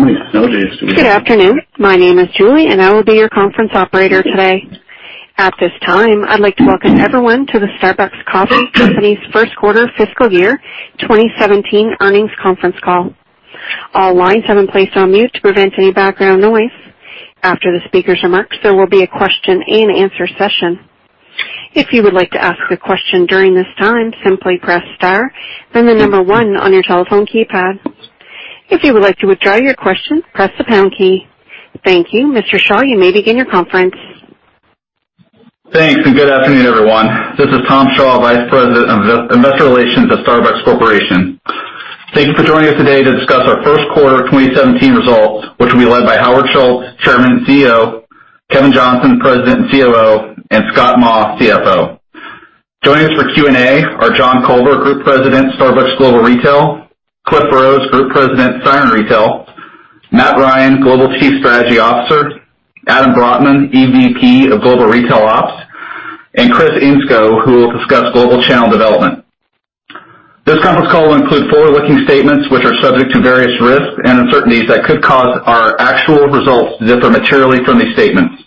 How many nowadays do we have? Good afternoon. My name is Julie, and I will be your conference operator today. At this time, I'd like to welcome everyone to the Starbucks Coffee Company's first quarter fiscal year 2017 earnings conference call. All lines have been placed on mute to prevent any background noise. After the speaker's remarks, there will be a question and answer session. If you would like to ask a question during this time, simply press star, then the number one on your telephone keypad. If you would like to withdraw your question, press the pound key. Thank you. Mr. Shaw, you may begin your conference. Thanks. Good afternoon, everyone. This is Tom Shaw, Vice President of Investor Relations at Starbucks Corporation. Thank you for joining us today to discuss our first quarter 2017 results, which will be led by Howard Schultz, Chairman and CEO, Kevin Johnson, President and COO, and Scott Maw, CFO. Joining us for Q&A are John Culver, Group President, Starbucks Global Retail, Cliff Burrows, Group President, Siren Retail, Matt Ryan, Global Chief Strategy Officer, Adam Brotman, EVP of Global Retail Ops, and Kris Engskov, who will discuss global channel development. This conference call will include forward-looking statements which are subject to various risks and uncertainties that could cause our actual results to differ materially from these statements.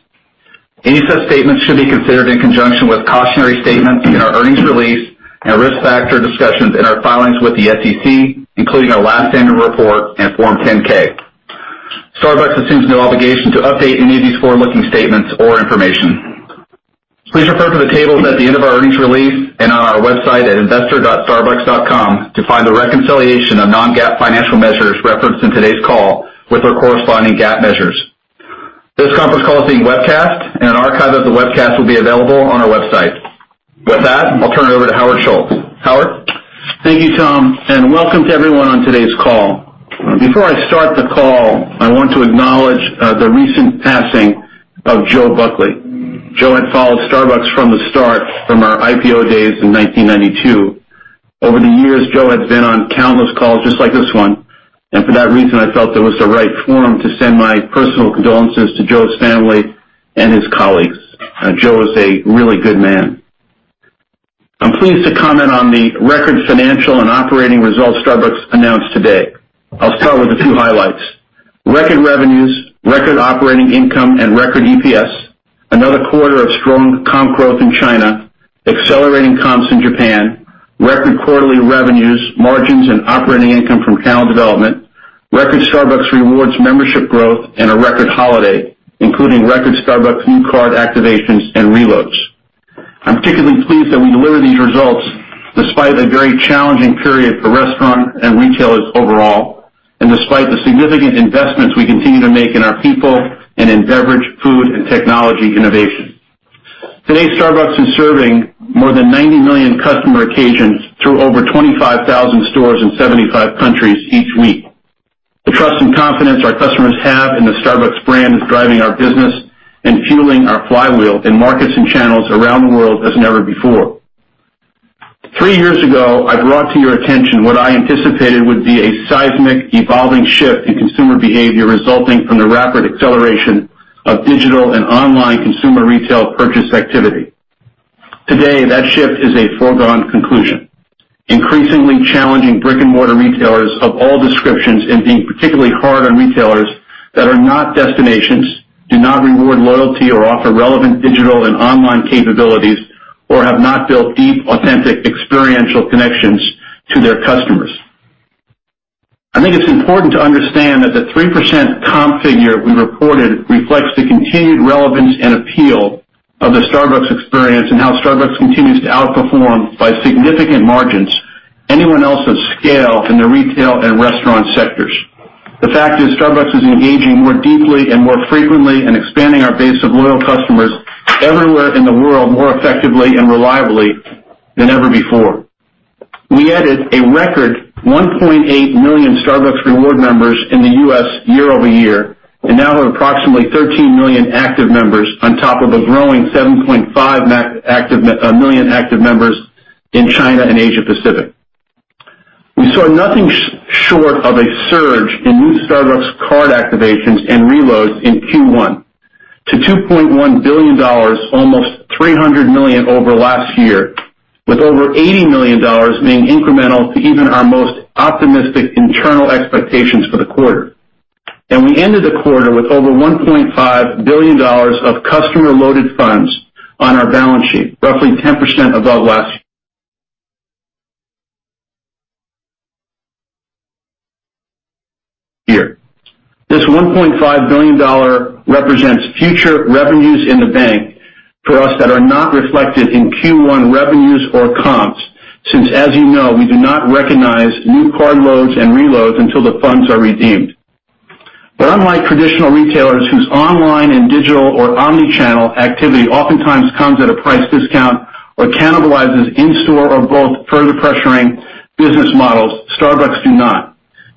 Any such statements should be considered in conjunction with cautionary statements in our earnings release and our risk factor discussions in our filings with the SEC, including our last annual report and Form 10-K. Starbucks assumes no obligation to update any of these forward-looking statements or information. Please refer to the tables at the end of our earnings release and on our website at investor.starbucks.com to find the reconciliation of non-GAAP financial measures referenced in today's call with their corresponding GAAP measures. This conference call is being webcast, and an archive of the webcast will be available on our website. With that, I'll turn it over to Howard Schultz. Howard? Thank you, Tom, and welcome to everyone on today's call. Before I start the call, I want to acknowledge the recent passing of Joe Buckley. Joe had followed Starbucks from the start, from our IPO days in 1992. Over the years, Joe had been on countless calls just like this one, and for that reason, I felt it was the right forum to send my personal condolences to Joe's family and his colleagues. Joe was a really good man. I'm pleased to comment on the record financial and operating results Starbucks announced today. I'll start with a few highlights. Record revenues, record operating income, and record EPS. Another quarter of strong comp growth in China. Accelerating comps in Japan. Record quarterly revenues, margins, and operating income from channel development. Record Starbucks Rewards membership growth and a record holiday, including record Starbucks new card activations and reloads. I'm particularly pleased that we delivered these results despite a very challenging period for restaurant and retailers overall, and despite the significant investments we continue to make in our people and in beverage, food, and technology innovation. Today, Starbucks is serving more than 90 million customer occasions through over 25,000 stores in 75 countries each week. The trust and confidence our customers have in the Starbucks brand is driving our business and fueling our flywheel in markets and channels around the world as never before. Three years ago, I brought to your attention what I anticipated would be a seismic evolving shift in consumer behavior resulting from the rapid acceleration of digital and online consumer retail purchase activity. Today, that shift is a foregone conclusion. Increasingly challenging brick and mortar retailers of all descriptions and being particularly hard on retailers that are not destinations, do not reward loyalty or offer relevant digital and online capabilities, or have not built deep, authentic, experiential connections to their customers. I think it's important to understand that the 3% comp figure we reported reflects the continued relevance and appeal of the Starbucks experience and how Starbucks continues to outperform, by significant margins, anyone else of scale in the retail and restaurant sectors. The fact is, Starbucks is engaging more deeply and more frequently and expanding our base of loyal customers everywhere in the world, more effectively and reliably than ever before. We added a record 1.8 million Starbucks Rewards members in the U.S. year-over-year, and now we're approximately 13 million active members on top of the growing 7.5 million active members in China and Asia Pacific. We saw nothing short of a surge in new Starbucks card activations and reloads in Q1 to $2.1 billion, almost $300 million over last year, with over $80 million being incremental to even our most optimistic internal expectations for the quarter. We ended the quarter with over $1.5 billion of customer-loaded funds on our balance sheet, roughly 10% above last year. This $1.5 billion represents future revenues in the bank for us that are not reflected in Q1 revenues or comps, since, as you know, we do not recognize new card loads and reloads until the funds are redeemed. Unlike traditional retailers whose online and digital or omni-channel activity oftentimes comes at a price discount or cannibalizes in-store or both, further pressuring business models, Starbucks do not.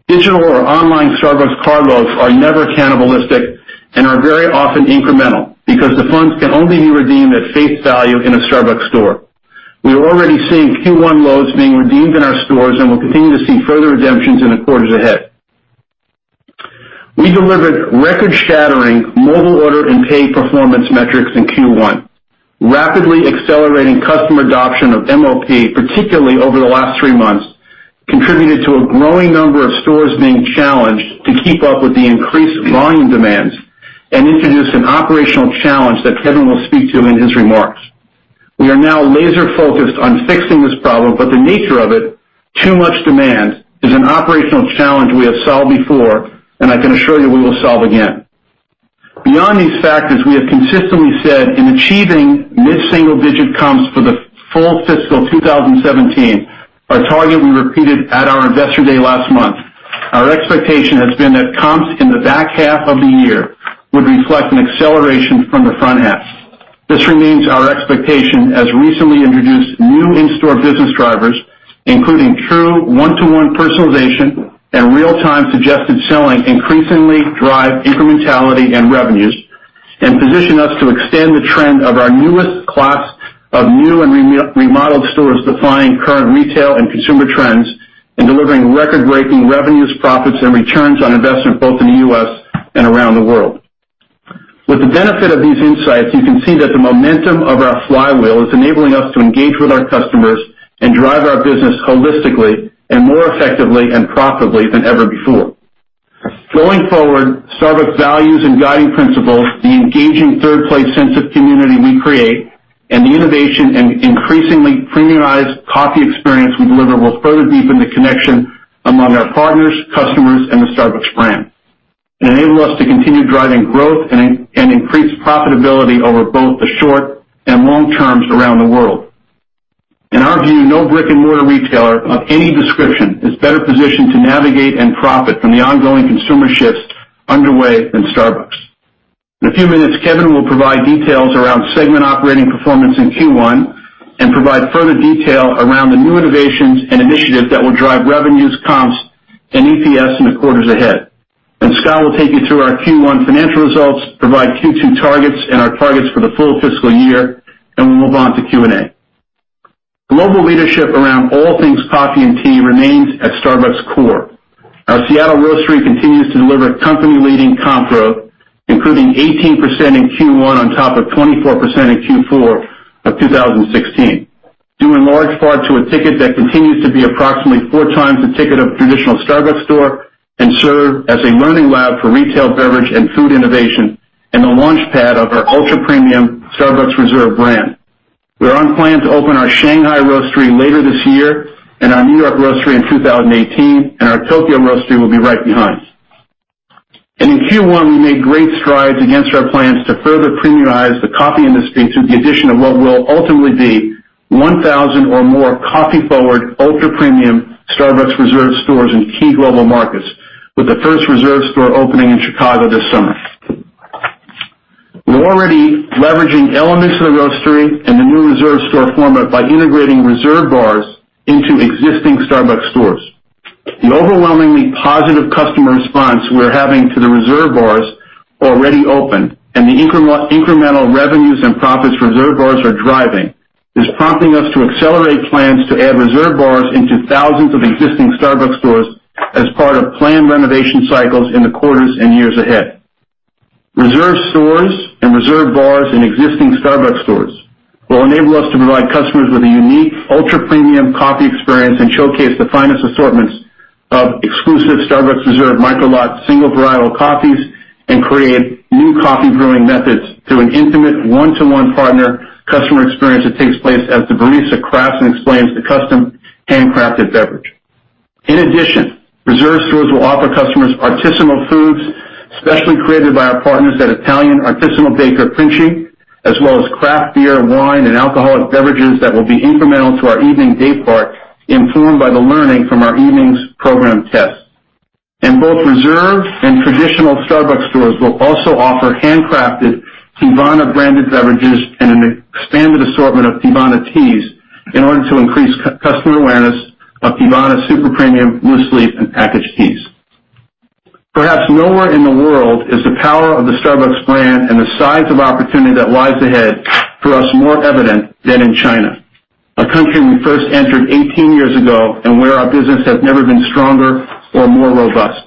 Digital or online Starbucks card loads are never cannibalistic and are very often incremental because the funds can only be redeemed at face value in a Starbucks store. We are already seeing Q1 loads being redeemed in our stores, and we will continue to see further redemptions in the quarters ahead. We delivered record-shattering Mobile Order and Pay performance metrics in Q1. Rapidly accelerating customer adoption of MOP, particularly over the last three months, contributed to a growing number of stores being challenged to keep up with the increased volume demands and introduced an operational challenge that Kevin will speak to in his remarks. We are now laser-focused on fixing this problem, but the nature of it, too much demand, is an operational challenge we have solved before, and I can assure you we will solve again. Beyond these factors, we have consistently said in achieving mid-single-digit comps for the full fiscal 2017, our target we repeated at our Investor Day last month, our expectation has been that comps in the back half of the year would reflect an acceleration from the front half. This remains our expectation as recently introduced new in-store business drivers, including true one-to-one personalization and real-time suggested selling, increasingly drive incrementality and revenues, and position us to extend the trend of our newest class of new and remodeled stores defining current retail and consumer trends, and delivering record-breaking revenues, profits, and returns on investment both in the U.S. and around the world. With the benefit of these insights, you can see that the momentum of our flywheel is enabling us to engage with our customers and drive our business holistically and more effectively and profitably than ever before. Going forward, Starbucks' values and guiding principles, the engaging third place sense of community we create, and the innovation and increasingly premiumized coffee experience we deliver will further deepen the connection among our partners, customers, and the Starbucks brand, and enable us to continue driving growth and increase profitability over both the short and long terms around the world. In our view, no brick-and-mortar retailer of any description is better positioned to navigate and profit from the ongoing consumer shifts underway than Starbucks. In a few minutes, Kevin will provide details around segment operating performance in Q1 and provide further detail around the new innovations and initiatives that will drive revenues, comps, and EPS in the quarters ahead. Scott will take you through our Q1 financial results, provide Q2 targets and our targets for the full fiscal year, and we will move on to Q&A. Global leadership around all things coffee and tea remains at Starbucks' core. Our Seattle Roastery continues to deliver company-leading comp growth, including 18% in Q1 on top of 24% in Q4 of 2016, due in large part to a ticket that continues to be approximately four times the ticket of traditional Starbucks store, and serve as a learning lab for retail beverage and food innovation and the launchpad of our ultra-premium Starbucks Reserve brand. We are on plan to open our Shanghai Roastery later this year and our New York Roastery in 2018, and our Tokyo Roastery will be right behind. In Q1, we made great strides against our plans to further premiumize the coffee industry through the addition of what will ultimately be 1,000 or more coffee-forward, ultra-premium Starbucks Reserve stores in key global markets, with the first Reserve store opening in Chicago this summer. We're already leveraging elements of the Roastery and the new Reserve store format by integrating Reserve bars into existing Starbucks stores. The overwhelmingly positive customer response we're having to the Reserve bars already open, and the incremental revenues and profits Reserve bars are driving, is prompting us to accelerate plans to add Reserve bars into thousands of existing Starbucks stores as part of planned renovation cycles in the quarters and years ahead. Reserve stores and Reserve bars in existing Starbucks stores will enable us to provide customers with a unique ultra-premium coffee experience and showcase the finest assortments of exclusive Starbucks Reserve micro-lot single varietal coffees and create new coffee brewing methods through an intimate one-to-one partner customer experience that takes place as the barista crafts and explains the custom handcrafted beverage. In addition, Reserve stores will offer customers artisanal foods specially created by our partners at Italian artisanal baker Princi, as well as craft beer, wine, and alcoholic beverages that will be incremental to our evening daypart, influenced by the learning from our evenings program tests. Both Reserve and traditional Starbucks stores will also offer handcrafted Teavana-branded beverages and an expanded assortment of Teavana teas in order to increase customer awareness of Teavana's super premium loose leaf and packaged teas. Perhaps nowhere in the world is the power of the Starbucks brand and the size of opportunity that lies ahead for us more evident than in China, a country we first entered 18 years ago and where our business has never been stronger or more robust.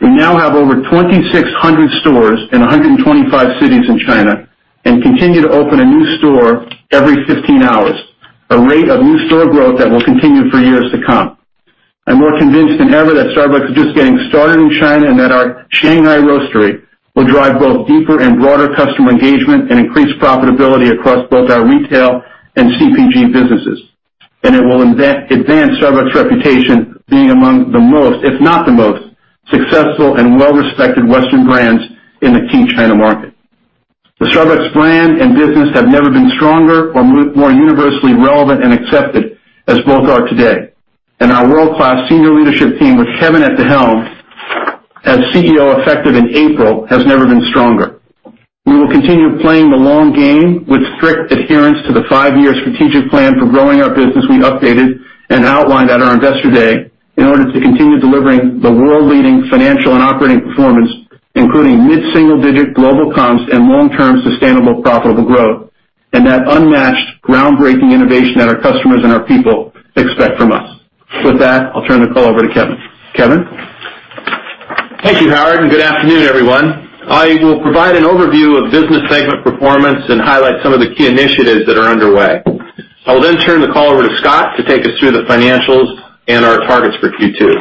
We now have over 2,600 stores in 125 cities in China and continue to open a new store every 15 hours, a rate of new store growth that will continue for years to come. I'm more convinced than ever that Starbucks is just getting started in China and that our Shanghai Roastery will drive both deeper and broader customer engagement and increase profitability across both our retail and CPG businesses. It will advance Starbucks' reputation being among the most, if not the most, successful and well-respected Western brands in the key China market. The Starbucks brand and business have never been stronger or more universally relevant and accepted as both are today. Our world-class senior leadership team, with Kevin at the helm as CEO effective in April, has never been stronger. We will continue playing the long game with strict adherence to the five-year strategic plan for growing our business we updated and outlined at our Investor Day in order to continue delivering the world-leading financial and operating performance, including mid-single-digit global comps and long-term sustainable profitable growth, and that unmatched, groundbreaking innovation that our customers and our people expect from us. With that, I'll turn the call over to Kevin. Kevin? Thank you, Howard, and good afternoon, everyone. I will provide an overview of business segment performance and highlight some of the key initiatives that are underway. I will then turn the call over to Scott to take us through the financials and our targets for Q2.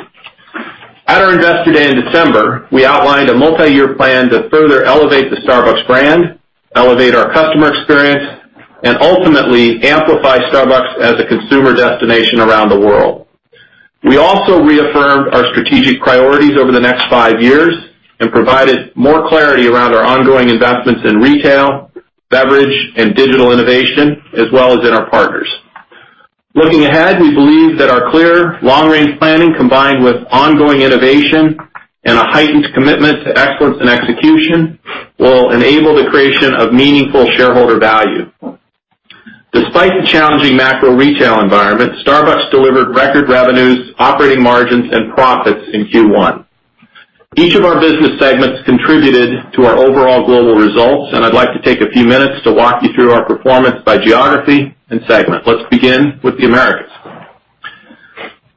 At our Investor Day in December, we outlined a multi-year plan to further elevate the Starbucks brand, elevate our customer experience, and ultimately amplify Starbucks as a consumer destination around the world. We also reaffirmed our strategic priorities over the next five years and provided more clarity around our ongoing investments in retail, beverage, and digital innovation, as well as in our partners. Looking ahead, we believe that our clear long-range planning, combined with ongoing innovation and a heightened commitment to excellence in execution, will enable the creation of meaningful shareholder value. Despite the challenging macro retail environment, Starbucks delivered record revenues, operating margins, and profits in Q1. Each of our business segments contributed to our overall global results. I'd like to take a few minutes to walk you through our performance by geography and segment. Let's begin with the Americas.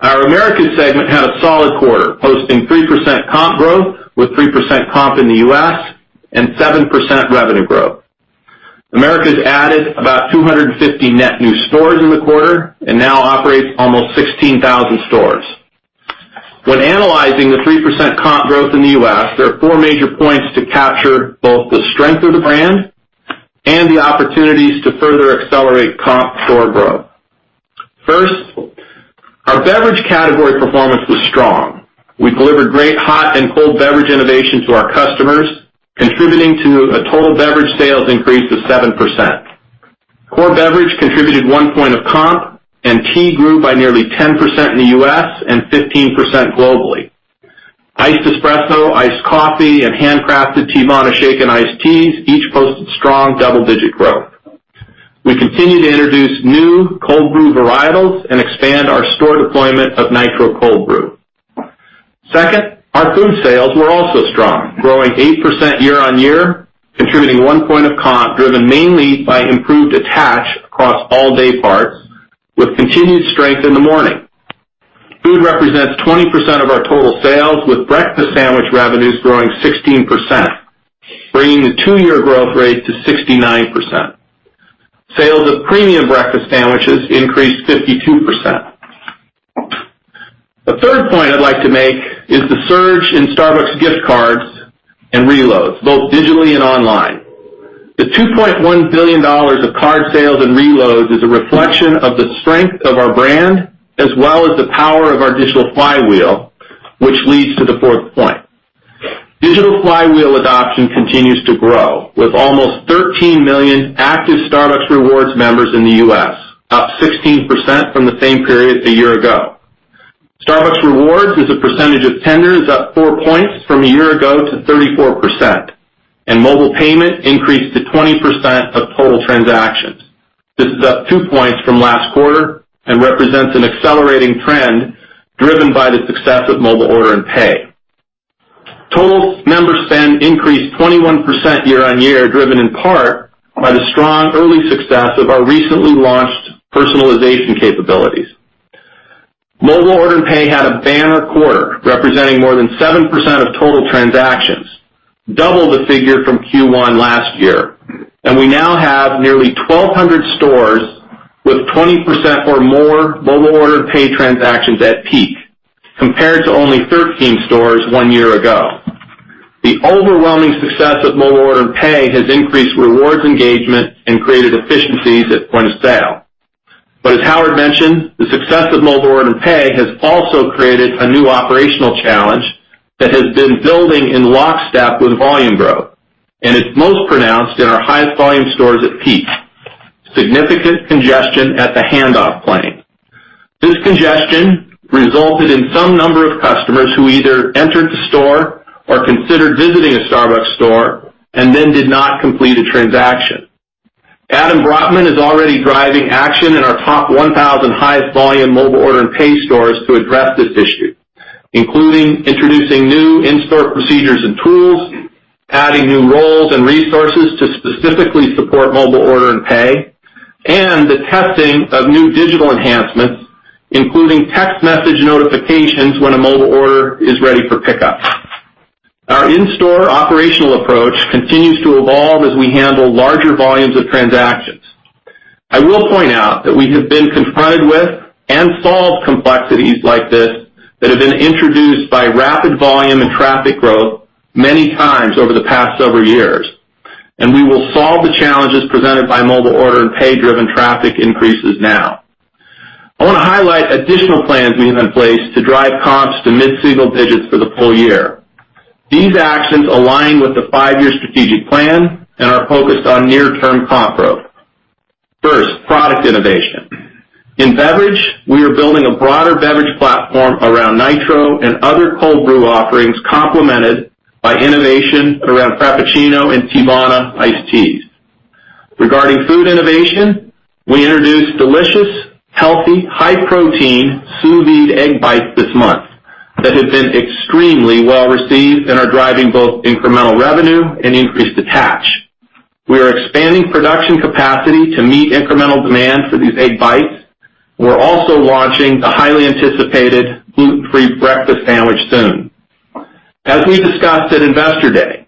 Our Americas segment had a solid quarter, posting 3% comp growth, with 3% comp in the U.S. and 7% revenue growth. Americas added about 250 net new stores in the quarter and now operates almost 16,000 stores. When analyzing the 3% comp growth in the U.S., there are four major points to capture both the strength of the brand and the opportunities to further accelerate comp store growth. First, our beverage category performance was strong. We delivered great hot and cold beverage innovation to our customers, contributing to a total beverage sales increase of 7%. Core beverage contributed one point of comp. Tea grew by nearly 10% in the U.S. and 15% globally. Iced espresso, iced coffee, and handcrafted Teavana shake and iced teas each posted strong double-digit growth. We continue to introduce new cold brew varietals and expand our store deployment of Nitro Cold Brew. Second, our food sales were also strong, growing 8% year-on-year, contributing one point of comp, driven mainly by improved attach across all day parts, with continued strength in the morning. Food represents 20% of our total sales, with breakfast sandwich revenues growing 16%, bringing the two-year growth rate to 69%. Sales of premium breakfast sandwiches increased 52%. The third point I'd like to make is the surge in Starbucks gift cards and reloads, both digitally and online. The $2.1 billion of card sales and reloads is a reflection of the strength of our brand, as well as the power of our digital flywheel, which leads to the fourth point. Digital flywheel adoption continues to grow, with almost 13 million active Starbucks Rewards members in the U.S., up 16% from the same period a year ago. Starbucks Rewards, as a percentage of tender, is up four points from a year ago to 34%. Mobile payment increased to 20% of total transactions. This is up two points from last quarter and represents an accelerating trend driven by the success of Mobile Order and Pay. Total member spend increased 21% year-on-year, driven in part by the strong early success of our recently launched personalization capabilities. Mobile Order and Pay had a banner quarter, representing more than 7% of total transactions, double the figure from Q1 last year. We now have nearly 1,200 stores with 20% or more Mobile Order Pay transactions at peak, compared to only 13 stores one year ago. The overwhelming success of Mobile Order and Pay has increased rewards engagement and created efficiencies at point of sale. As Howard mentioned, the success of Mobile Order and Pay has also created a new operational challenge that has been building in lockstep with volume growth, and it's most pronounced in our highest volume stores at peak. Significant congestion at the handoff plane. This congestion resulted in some number of customers who either entered the store or considered visiting a Starbucks store and then did not complete a transaction. Adam Brotman is already driving action in our top 1,000 highest volume Mobile Order and Pay stores to address this issue, including introducing new in-store procedures and tools, adding new roles and resources to specifically support Mobile Order and Pay, and the testing of new digital enhancements, including text message notifications when a mobile order is ready for pickup. Our in-store operational approach continues to evolve as we handle larger volumes of transactions. I will point out that we have been confronted with and solved complexities like this that have been introduced by rapid volume and traffic growth many times over the past several years, and we will solve the challenges presented by Mobile Order and Pay-driven traffic increases now. I want to highlight additional plans we have in place to drive comps to mid-single digits for the full year. These actions align with the five-year strategic plan and are focused on near-term comp growth. First, product innovation. In beverage, we are building a broader beverage platform around Nitro and other cold brew offerings, complemented by innovation around Frappuccino and Teavana iced teas. Regarding food innovation, we introduced delicious, healthy, high-protein Sous Vide Egg Bites this month that have been extremely well-received and are driving both incremental revenue and increased attach. We are expanding production capacity to meet incremental demand for these egg bites. We are also launching the highly anticipated gluten-free breakfast sandwich soon. As we discussed at Investor Day,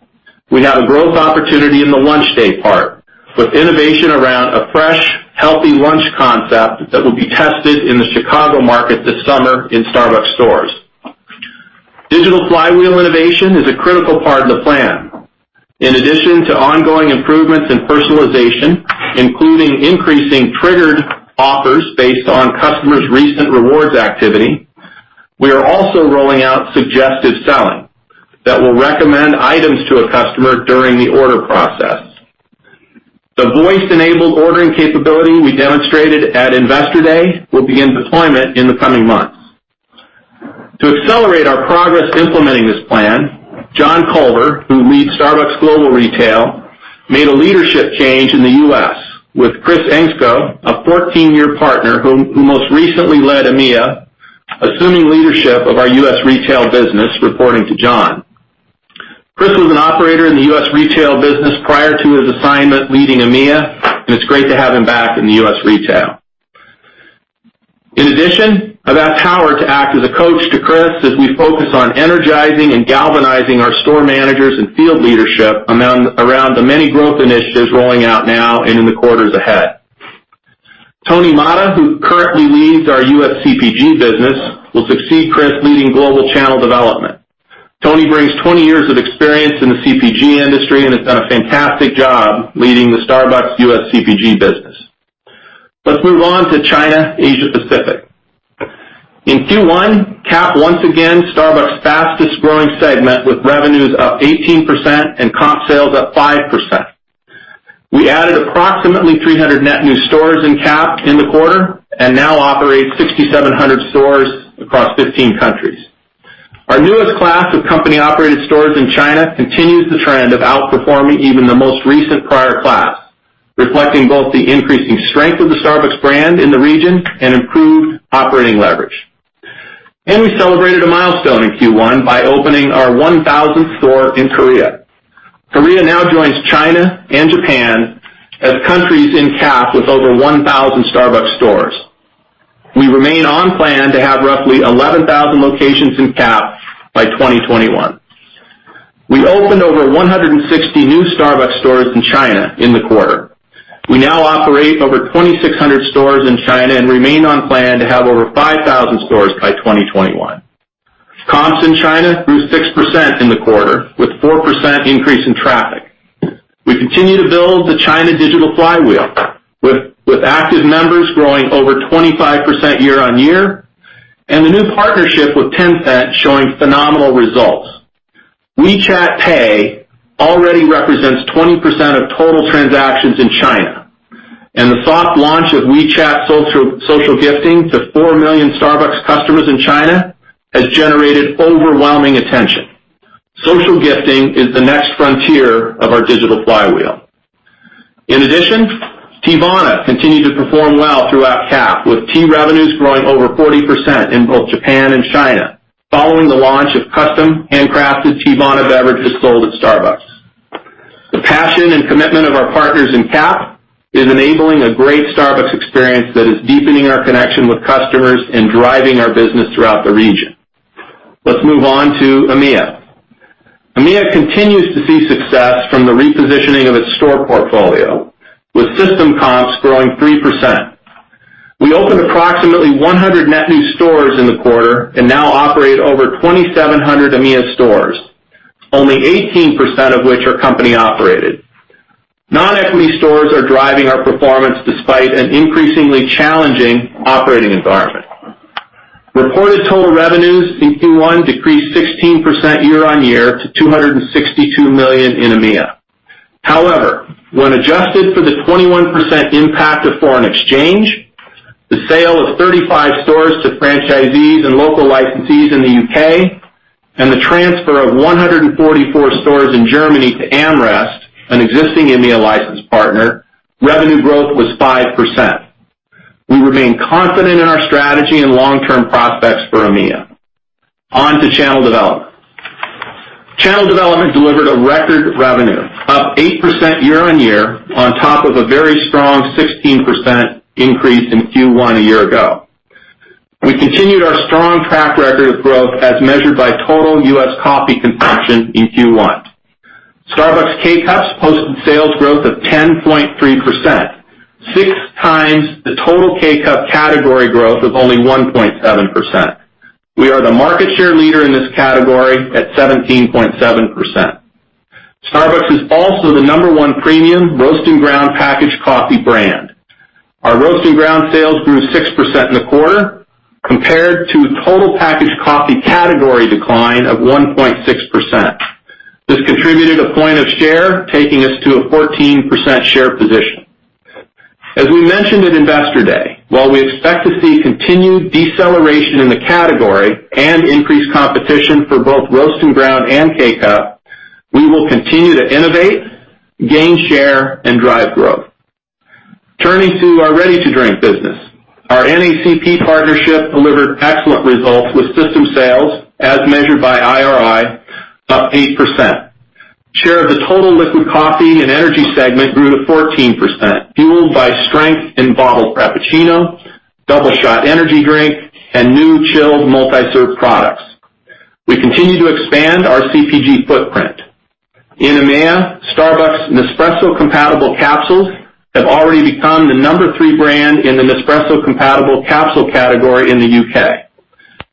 we have a growth opportunity in the lunch day part, with innovation around a fresh, healthy lunch concept that will be tested in the Chicago market this summer in Starbucks stores. Digital flywheel innovation is a critical part of the plan. In addition to ongoing improvements in personalization, including increasing triggered offers based on customers' recent rewards activity, we are also rolling out suggestive selling that will recommend items to a customer during the order process. The voice-enabled ordering capability we demonstrated at Investor Day will begin deployment in the coming months. To accelerate our progress implementing this plan, John Culver, who leads Starbucks Global Retail, made a leadership change in the U.S. with Kris Engskov, a 14-year partner who most recently led EMEA, assuming leadership of our U.S. retail business, reporting to John. Kris was an operator in the U.S. retail business prior to his assignment leading EMEA, and it's great to have him back in the U.S. retail. In addition, I've asked Howard to act as a coach to Kris as we focus on energizing and galvanizing our store managers and field leadership around the many growth initiatives rolling out now and in the quarters ahead. Tony Matta, who currently leads our U.S. CPG business, will succeed Kris leading global channel development. Tony brings 20 years of experience in the CPG industry and has done a fantastic job leading the Starbucks U.S. CPG business. Let's move on to China, Asia Pacific. In Q1, CAP once again, Starbucks' fastest-growing segment with revenues up 18% and comp sales up 5%. We added approximately 300 net new stores in CAP in the quarter and now operate 6,700 stores across 15 countries. Our newest class of company-operated stores in China continues the trend of outperforming even the most recent prior class, reflecting both the increasing strength of the Starbucks brand in the region and improved operating leverage. We celebrated a milestone in Q1 by opening our 1,000th store in Korea. Korea now joins China and Japan as countries in CAP with over 1,000 Starbucks stores. We remain on plan to have roughly 11,000 locations in CAP by 2021. We opened over 160 new Starbucks stores in China in the quarter. We now operate over 2,600 stores in China and remain on plan to have over 5,000 stores by 2021. Comps in China grew 6% in the quarter, with 4% increase in traffic. We continue to build the China digital flywheel, with active members growing over 25% year-on-year, and the new partnership with Tencent showing phenomenal results. WeChat Pay already represents 20% of total transactions in China, and the soft launch of WeChat social gifting to 4 million Starbucks customers in China has generated overwhelming attention. Social gifting is the next frontier of our digital flywheel. In addition, Teavana continued to perform well throughout CAP, with tea revenues growing over 40% in both Japan and China, following the launch of custom handcrafted Teavana beverages sold at Starbucks. The passion and commitment of our partners in CAP is enabling a great Starbucks experience that is deepening our connection with customers and driving our business throughout the region. Let's move on to EMEA. EMEA continues to see success from the repositioning of its store portfolio, with system comps growing 3%. We opened approximately 100 net new stores in the quarter and now operate over 2,700 EMEA stores, only 18% of which are company-operated. Non-equity stores are driving our performance despite an increasingly challenging operating environment. Reported total revenues in Q1 decreased 16% year-on-year to $262 million in EMEA. However, when adjusted for the 21% impact of foreign exchange, the sale of 35 stores to franchisees and local licensees in the U.K., and the transfer of 144 stores in Germany to AmRest, an existing EMEA license partner, revenue growth was 5%. We remain confident in our strategy and long-term prospects for EMEA. On to channel development. Channel development delivered a record revenue, up 8% year-on-year, on top of a very strong 16% increase in Q1 a year ago. We continued our strong track record of growth as measured by total U.S. coffee consumption in Q1. Starbucks K-Cups posted sales growth of 10.3%, six times the total K-Cup category growth of only 1.7%. We are the market share leader in this category at 17.7%. Starbucks is also the number 1 premium roast and ground packaged coffee brand. Our roast and ground sales grew 6% in the quarter compared to total packaged coffee category decline of 1.6%. This contributed a point of share, taking us to a 14% share position. As we mentioned at Investor Day, while we expect to see continued deceleration in the category and increased competition for both roast and ground and K-Cup, we will continue to innovate, gain share, and drive growth. Turning to our ready-to-drink business. Our NACP partnership delivered excellent results with system sales as measured by IRI, up 8%. Share of the total liquid coffee and energy segment grew to 14%, fueled by strength in bottled Frappuccino, Doubleshot Energy drink, and new chilled multi-serve products. We continue to expand our CPG footprint. In EMEA, Starbucks Nespresso-compatible capsules have already become the number 3 brand in the Nespresso-compatible capsule category in the U.K.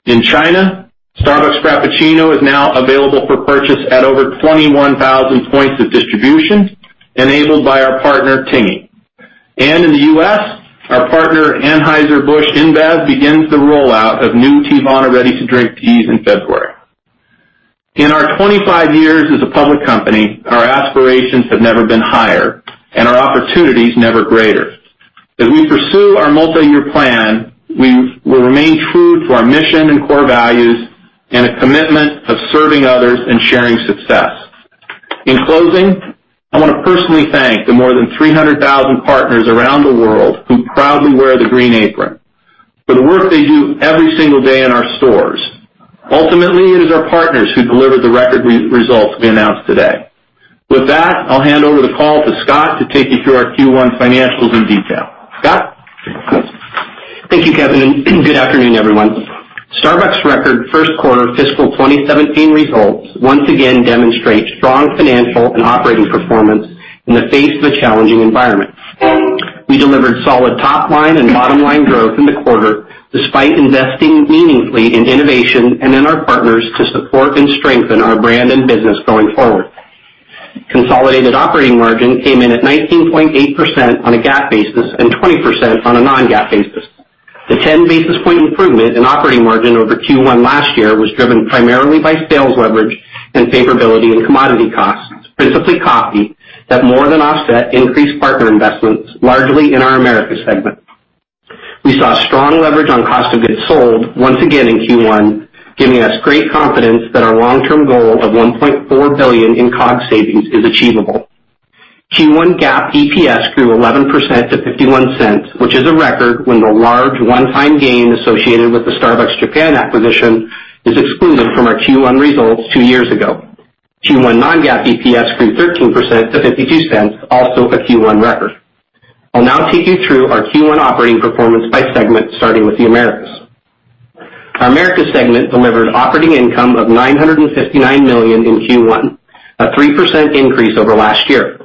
In China, Starbucks Frappuccino is now available for purchase at over 21,000 points of distribution, enabled by our partner, Tingyi. In the U.S., our partner, Anheuser-Busch InBev, begins the rollout of new Teavana ready-to-drink teas in February. In our 25 years as a public company, our aspirations have never been higher and our opportunities never greater. As we pursue our multi-year plan, we will remain true to our mission and core values and a commitment of serving others and sharing success. In closing, I want to personally thank the more than 300,000 partners around the world who proudly wear the green apron for the work they do every single day in our stores. Ultimately, it is our partners who deliver the record results we announced today. With that, I'll hand over the call to Scott to take you through our Q1 financials in detail. Scott? Thank you, Kevin, and good afternoon, everyone. Starbucks' record first quarter fiscal 2017 results once again demonstrate strong financial and operating performance in the face of a challenging environment. We delivered solid top line and bottom line growth in the quarter, despite investing meaningfully in innovation and in our partners to support and strengthen our brand and business going forward. Consolidated operating margin came in at 19.8% on a GAAP basis and 20% on a non-GAAP basis. The 10-basis point improvement in operating margin over Q1 last year was driven primarily by sales leverage and favorability in commodity costs, principally coffee, that more than offset increased partner investments, largely in our Americas segment. We saw strong leverage on Cost of Goods Sold once again in Q1, giving us great confidence that our long-term goal of $1.4 billion in COGS savings is achievable. Q1 GAAP EPS grew 11% to $0.51, which is a record when the large one-time gain associated with the Starbucks Japan acquisition is excluded from our Q1 results two years ago. Q1 non-GAAP EPS grew 13% to $0.52, also a Q1 record. I'll now take you through our Q1 operating performance by segment, starting with the Americas. Our Americas segment delivered operating income of $959 million in Q1, a 3% increase over last year.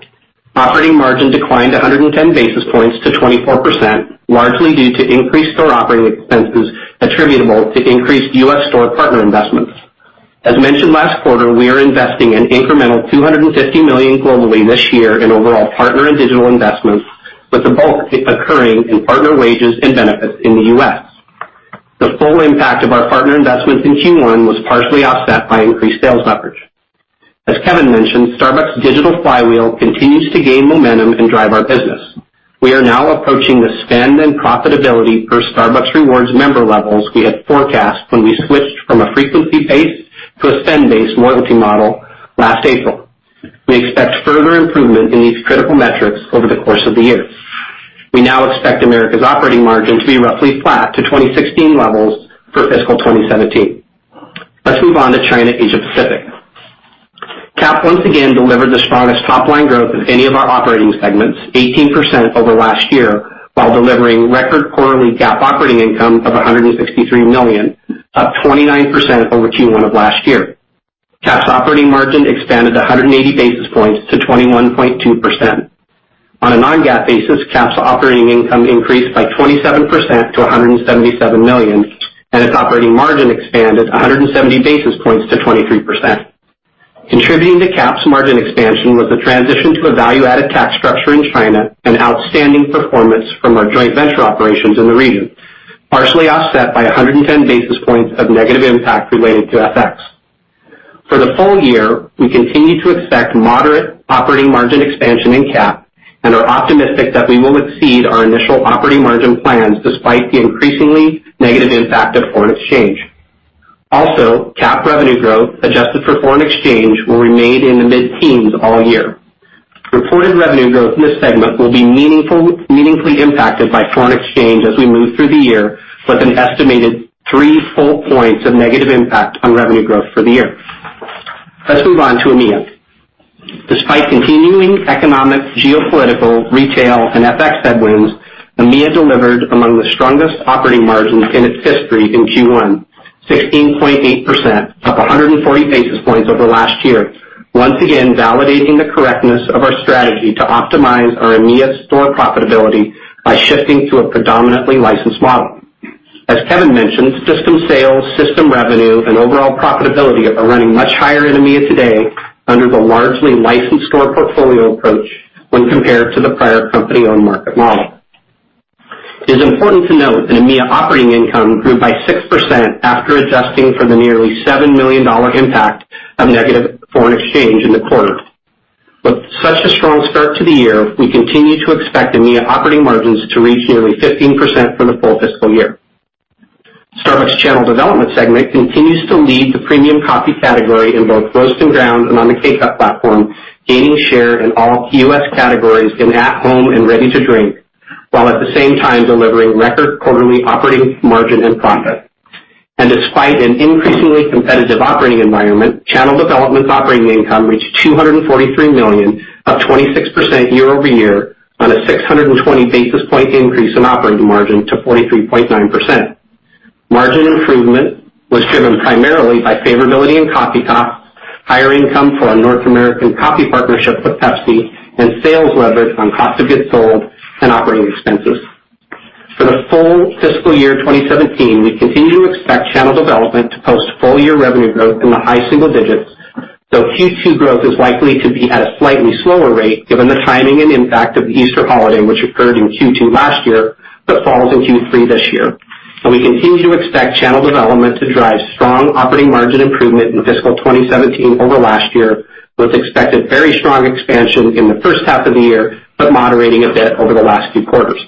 Operating margin declined 110 basis points to 24%, largely due to increased store operating expenses attributable to increased U.S. store partner investments. As mentioned last quarter, we are investing an incremental $250 million globally this year in overall partner and digital investments, with the bulk occurring in partner wages and benefits in the U.S. The full impact of our partner investments in Q1 was partially offset by increased sales leverage. As Kevin mentioned, Starbucks' digital flywheel continues to gain momentum and drive our business. We are now approaching the spend and profitability per Starbucks Rewards member levels we had forecast when we switched from a frequency-based to a spend-based loyalty model last April. We expect further improvement in these critical metrics over the course of the year. We now expect Americas operating margin to be roughly flat to 2016 levels for fiscal 2017. Let's move on to China, Asia Pacific. CAP once again delivered the strongest top-line growth of any of our operating segments, 18% over last year, while delivering record quarterly GAAP operating income of $163 million, up 29% over Q1 of last year. CAP's operating margin expanded 180 basis points to 21.2%. On a non-GAAP basis, CAP's operating income increased by 27% to $177 million, and its operating margin expanded 170 basis points to 23%. Contributing to CAP's margin expansion was the transition to a value-added tax structure in China and outstanding performance from our joint venture operations in the region, partially offset by 110 basis points of negative impact related to FX. For the full year, we continue to expect moderate operating margin expansion in CAP and are optimistic that we will exceed our initial operating margin plans despite the increasingly negative impact of foreign exchange. CAP revenue growth, adjusted for foreign exchange, will remain in the mid-teens all year. Reported revenue growth in this segment will be meaningfully impacted by foreign exchange as we move through the year with an estimated three full points of negative impact on revenue growth for the year. Let's move on to EMEA. Despite continuing economic, geopolitical, retail, and FX headwinds, EMEA delivered among the strongest operating margins in its history in Q1. 16.8%, up 140 basis points over last year. Once again, validating the correctness of our strategy to optimize our EMEA store profitability by shifting to a predominantly licensed model. As Kevin mentioned, system sales, system revenue, and overall profitability are running much higher in EMEA today under the largely licensed store portfolio approach when compared to the prior company-owned market model. It is important to note that EMEA operating income grew by 6% after adjusting for the nearly $7 million impact of negative foreign exchange in the quarter. With such a strong start to the year, we continue to expect EMEA operating margins to reach nearly 15% for the full fiscal year. Starbucks Channel Development segment continues to lead the premium coffee category in both roast and ground and on the K-Cup platform, gaining share in all key U.S. categories in at-home and ready-to-drink, while at the same time delivering record quarterly operating margin and profit. Despite an increasingly competitive operating environment, Channel Development's operating income reached $243 million, up 26% year-over-year on a 620 basis point increase in operating margin to 43.9%. Margin improvement was driven primarily by favorability in coffee costs, higher income for our North American Coffee Partnership with Pepsi, and sales leverage on cost of goods sold and operating expenses. For the full fiscal year 2017, we continue to expect Channel Development to post full-year revenue growth in the high single digits, though Q2 growth is likely to be at a slightly slower rate given the timing and impact of the Easter holiday, which occurred in Q2 last year, but falls in Q3 this year. We continue to expect Channel Development to drive strong operating margin improvement in fiscal 2017 over last year, with expected very strong expansion in the first half of the year, but moderating a bit over the last few quarters.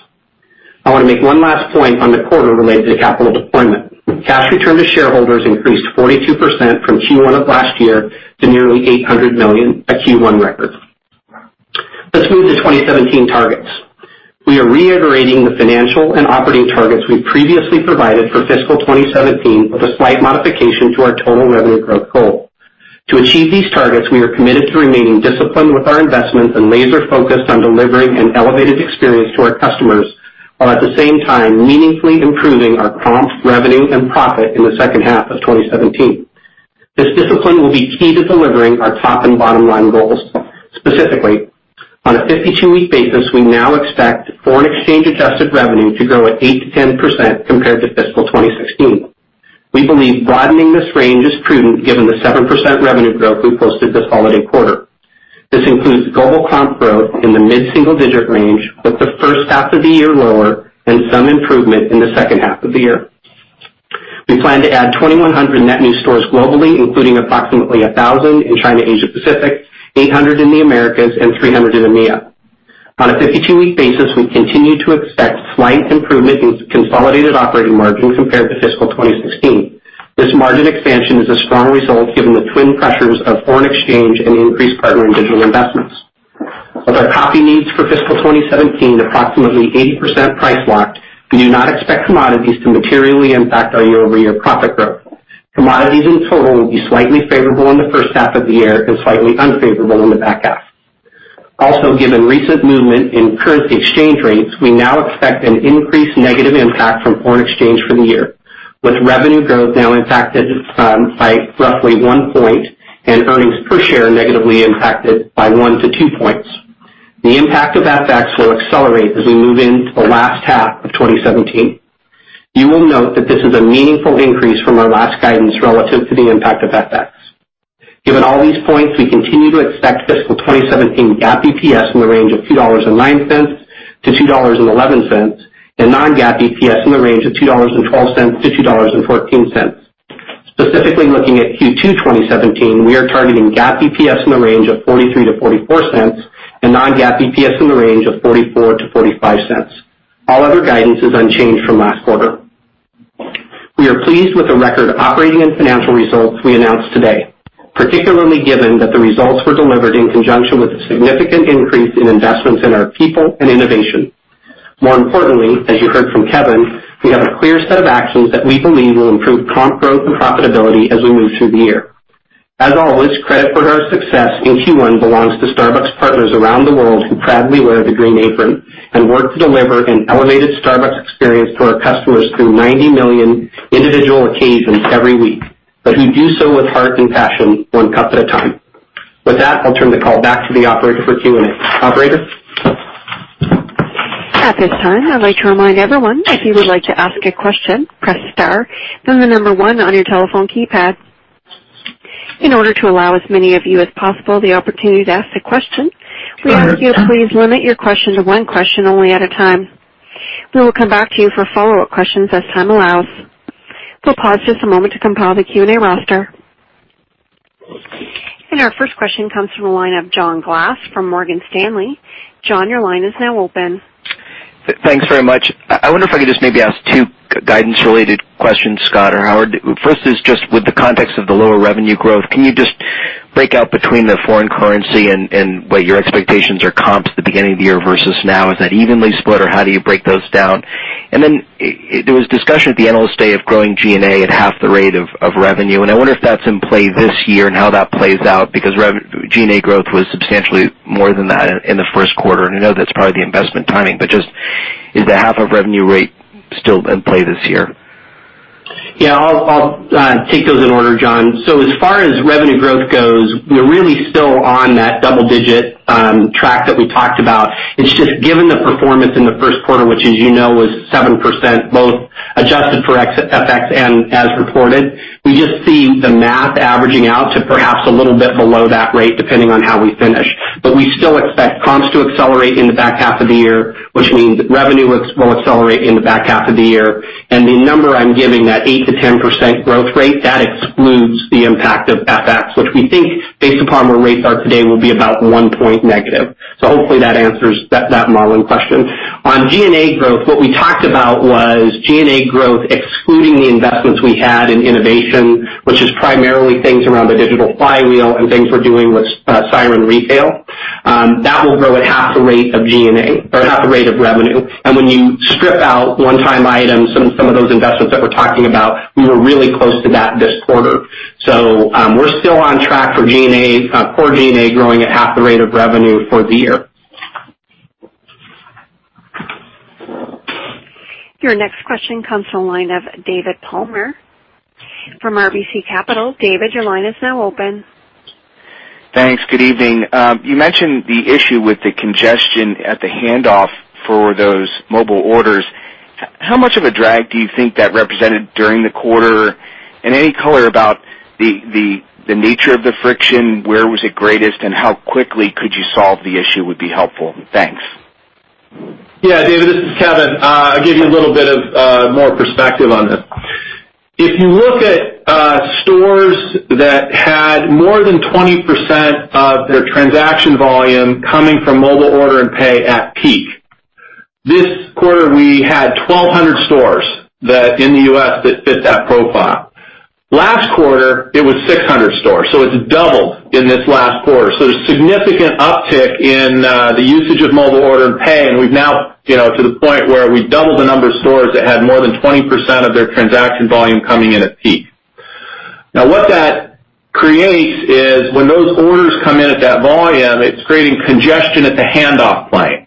I want to make one last point on the quarter related to capital deployment. Cash return to shareholders increased 42% from Q1 of last year to nearly $800 million, a Q1 record. Let's move to 2017 targets. We are reiterating the financial and operating targets we previously provided for fiscal 2017 with a slight modification to our total revenue growth goal. To achieve these targets, we are committed to remaining disciplined with our investments and laser-focused on delivering an elevated experience to our customers, while at the same time meaningfully improving our comp revenue and profit in the second half of 2017. This discipline will be key to delivering our top and bottom-line goals. Specifically, on a 52-week basis, we now expect foreign exchange adjusted revenue to grow at 8%-10% compared to fiscal 2016. We believe broadening this range is prudent given the 7% revenue growth we posted this holiday quarter. This includes global comp growth in the mid-single-digit range with the first half of the year lower and some improvement in the second half of the year. We plan to add 2,100 net new stores globally, including approximately 1,000 in China, Asia Pacific, 800 in the Americas, and 300 in EMEA. On a 52-week basis, we continue to expect slight improvement in consolidated operating margin compared to fiscal 2016. This margin expansion is a strong result given the twin pressures of foreign exchange and increased partner and digital investments. With our coffee needs for fiscal 2017 approximately 80% price locked, we do not expect commodities to materially impact our year-over-year profit growth. Commodities in total will be slightly favorable in the first half of the year and slightly unfavorable in the back half. Given recent movement in currency exchange rates, we now expect an increased negative impact from foreign exchange for the year, with revenue growth now impacted by roughly one point and earnings per share negatively impacted by one to two points. The impact of FX will accelerate as we move into the last half of 2017. You will note that this is a meaningful increase from our last guidance relative to the impact of FX. Given all these points, we continue to expect fiscal 2017 GAAP EPS in the range of $2.09-$2.11 and non-GAAP EPS in the range of $2.12-$2.14. Specifically looking at Q2 2017, we are targeting GAAP EPS in the range of $0.43-$0.44 and non-GAAP EPS in the range of $0.44-$0.45. All other guidance is unchanged from last quarter. We are pleased with the record operating and financial results we announced today, particularly given that the results were delivered in conjunction with a significant increase in investments in our people and innovation. As you heard from Kevin, we have a clear set of actions that we believe will improve comp growth and profitability as we move through the year. As always, credit for our success in Q1 belongs to Starbucks partners around the world who proudly wear the green apron and work to deliver an elevated Starbucks experience to our customers through 90 million individual occasions every week, but who do so with heart and passion one cup at a time. With that, I'll turn the call back to the operator for Q&A. Operator? At this time, I'd like to remind everyone, if you would like to ask a question, press star, then the number 1 on your telephone keypad. In order to allow as many of you as possible the opportunity to ask a question- Go ahead We ask you please limit your question to one question only at a time. We will come back to you for follow-up questions as time allows. We'll pause just a moment to compile the Q&A roster. Our first question comes from the line of John Glass from Morgan Stanley. John, your line is now open. Thanks very much. I wonder if I could just maybe ask two guidance-related questions, Scott or Howard. First is just with the context of the lower revenue growth. Can you just break out between the foreign currency and what your expectations are comps at the beginning of the year versus now? Is that evenly split, or how do you break those down? Then there was discussion at the Analyst Day of growing G&A at half the rate of revenue, and I wonder if that's in play this year and how that plays out, because G&A growth was substantially more than that in the first quarter. I know that's probably the investment timing, but just is the half of revenue rate still in play this year? Yeah, I'll take those in order, John. As far as revenue growth goes, we're really still on that double-digit track that we talked about. It's just given the performance in the first quarter, which as you know was 7%, both adjusted for FX and as reported, we just see the math averaging out to perhaps a little bit below that rate, depending on how we finish. We still expect comps to accelerate in the back half of the year, which means revenue will accelerate in the back half of the year. The number I'm giving, that 8%-10% growth rate, that excludes the impact of FX, which we think based upon where rates are today, will be about one point negative. Hopefully that answers that modeling question. On G&A growth, what we talked about was G&A growth excluding the investments we had in innovation, which is primarily things around the digital flywheel and things we're doing with Siren Retail. That will grow at half the rate of G&A or half the rate of revenue. When you strip out one-time items and some of those investments that we're talking about, we were really close to that this quarter. We're still on track for core G&A growing at half the rate of revenue for the year. Your next question comes from the line of David Palmer from RBC Capital. David, your line is now open. Thanks. Good evening. You mentioned the issue with the congestion at the handoff for those mobile orders. How much of a drag do you think that represented during the quarter, and any color about the nature of the friction, where was it greatest, and how quickly could you solve the issue would be helpful. Thanks. Yeah. David, this is Kevin. I'll give you a little bit of more perspective on this. If you look at stores that had more than 20% of their transaction volume coming from Mobile Order and Pay at peak. This quarter, we had 1,200 stores in the U.S. that fit that profile. Last quarter, it was 600 stores, it's doubled in this last quarter. There's significant uptick in the usage of Mobile Order and Pay, and we've now to the point where we doubled the number of stores that had more than 20% of their transaction volume coming in at peak. What that creates is when those orders come in at that volume, it's creating congestion at the handoff plane.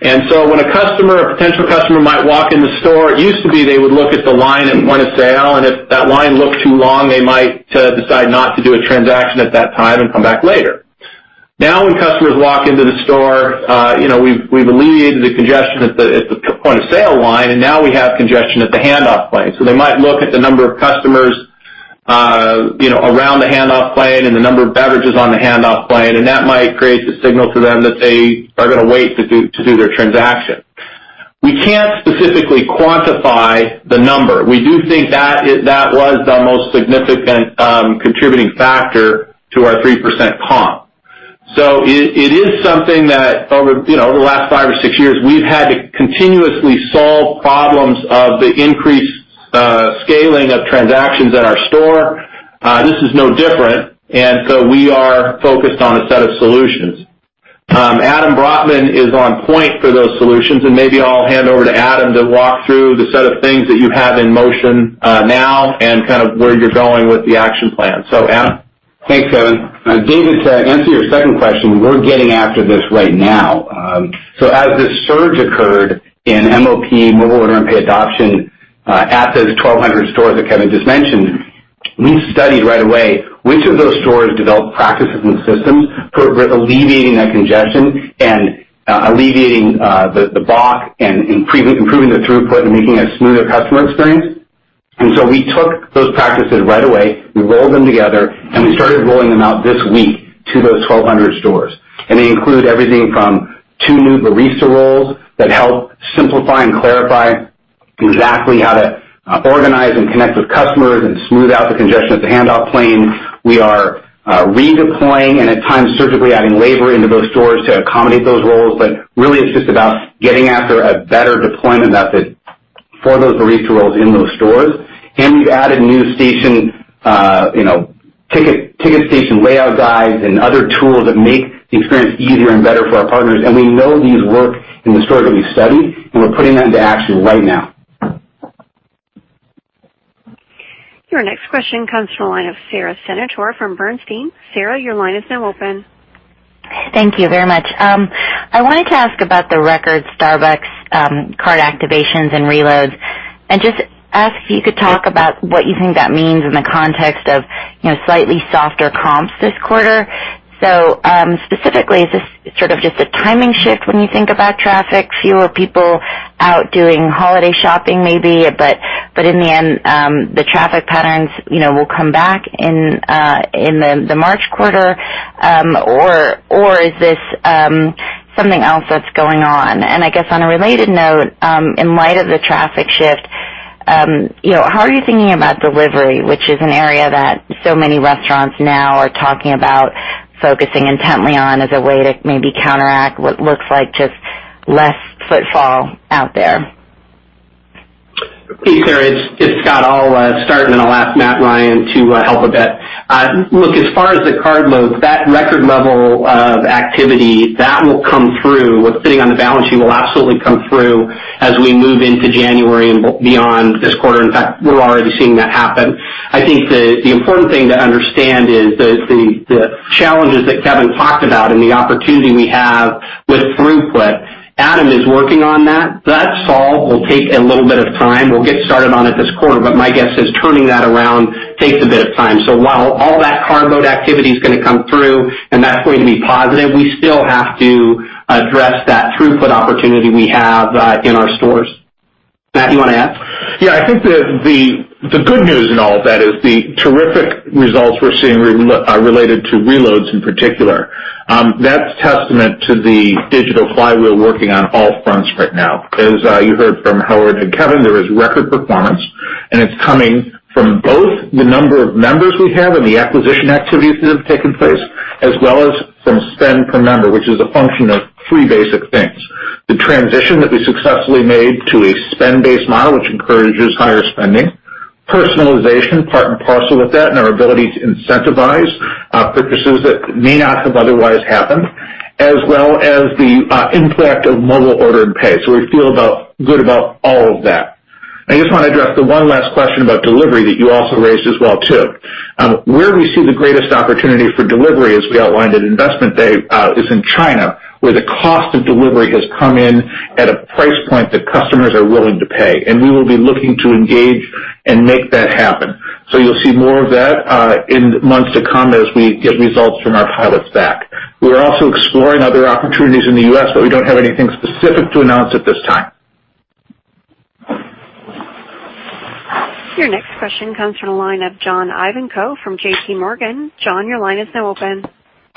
When a potential customer might walk in the store, it used to be they would look at the line at point of sale, and if that line looked too long, they might decide not to do a transaction at that time and come back later. When customers walk into the store, we've alleviated the congestion at the point of sale line, and now we have congestion at the handoff plane. They might look at the number of customers around the handoff plane and the number of beverages on the handoff plane, and that might create the signal to them that they are going to wait to do their transaction. We can't specifically quantify the number. We do think that was the most significant contributing factor to our 3% comp. It is something that over the last five or six years, we've had to continuously solve problems of the increased scaling of transactions at our store. This is no different. We are focused on a set of solutions. Adam Brotman is on point for those solutions, and maybe I'll hand over to Adam to walk through the set of things that you have in motion now and kind of where you're going with the action plan. Adam? Thanks, Kevin. David, to answer your second question, we're getting after this right now. As this surge occurred in MOP, Mobile Order and Pay adoption, at those 1,200 stores that Kevin just mentioned, we studied right away which of those stores developed practices and systems for alleviating that congestion and alleviating the block and improving the throughput and making a smoother customer experience. We took those practices right away, we rolled them together, and we started rolling them out this week to those 1,200 stores. They include everything from two new barista roles that help simplify and clarify exactly how to organize and connect with customers and smooth out the congestion at the handoff plane. We are redeploying and at times surgically adding labor into those stores to accommodate those roles. Really it's just about getting after a better deployment method for those barista roles in those stores. We've added new ticket station layout guides and other tools that make the experience easier and better for our partners. We know these work in the stores that we've studied, and we're putting them into action right now. Your next question comes from the line of Sara Senatore from Bernstein. Sara, your line is now open. Thank you very much. I wanted to ask about the record Starbucks card activations and reloads, and just ask if you could talk about what you think that means in the context of slightly softer comps this quarter. Specifically, is this sort of just a timing shift when you think about traffic, fewer people out doing holiday shopping maybe, but in the end, the traffic patterns will come back in the March quarter, or is this something else that's going on? I guess on a related note, in light of the traffic shift, how are you thinking about delivery, which is an area that so many restaurants now are talking about focusing intently on as a way to maybe counteract what looks like just less footfall out there? Hey, Sara, it's Scott. I'll start, then I'll ask Matt Ryan to help a bit. Look, as far as the card load, that record level of activity, that will come through. What's sitting on the balance sheet will absolutely come through as we move into January and beyond this quarter. In fact, we're already seeing that happen. I think the important thing to understand is the challenges that Kevin talked about and the opportunity we have with throughput. Adam is working on that. That solve will take a little bit of time. We'll get started on it this quarter, but my guess is turning that around takes a bit of time. While all that card load activity is going to come through and that's going to be positive, we still have to address that throughput opportunity we have in our stores. Matt, you want to add? Yeah, I think the good news in all of that is the terrific results we're seeing are related to reloads in particular. That's testament to the digital flywheel working on all fronts right now. As you heard from Howard and Kevin, there is record performance It's coming from both the number of members we have and the acquisition activities that have taken place, as well as from spend per member, which is a function of three basic things. The transition that we successfully made to a spend-based model, which encourages higher spending, personalization part and parcel with that, and our ability to incentivize purchases that may not have otherwise happened, as well as the impact of Mobile Order and Pay. We feel good about all of that. I just want to address the one last question about delivery that you also raised as well too. Where we see the greatest opportunity for delivery, as we outlined at investment day, is in China, where the cost of delivery has come in at a price point that customers are willing to pay, and we will be looking to engage and make that happen. You'll see more of that in the months to come as we get results from our pilots back. We're also exploring other opportunities in the U.S., we don't have anything specific to announce at this time. Your next question comes from the line of John Ivankoe from JPMorgan. John, your line is now open.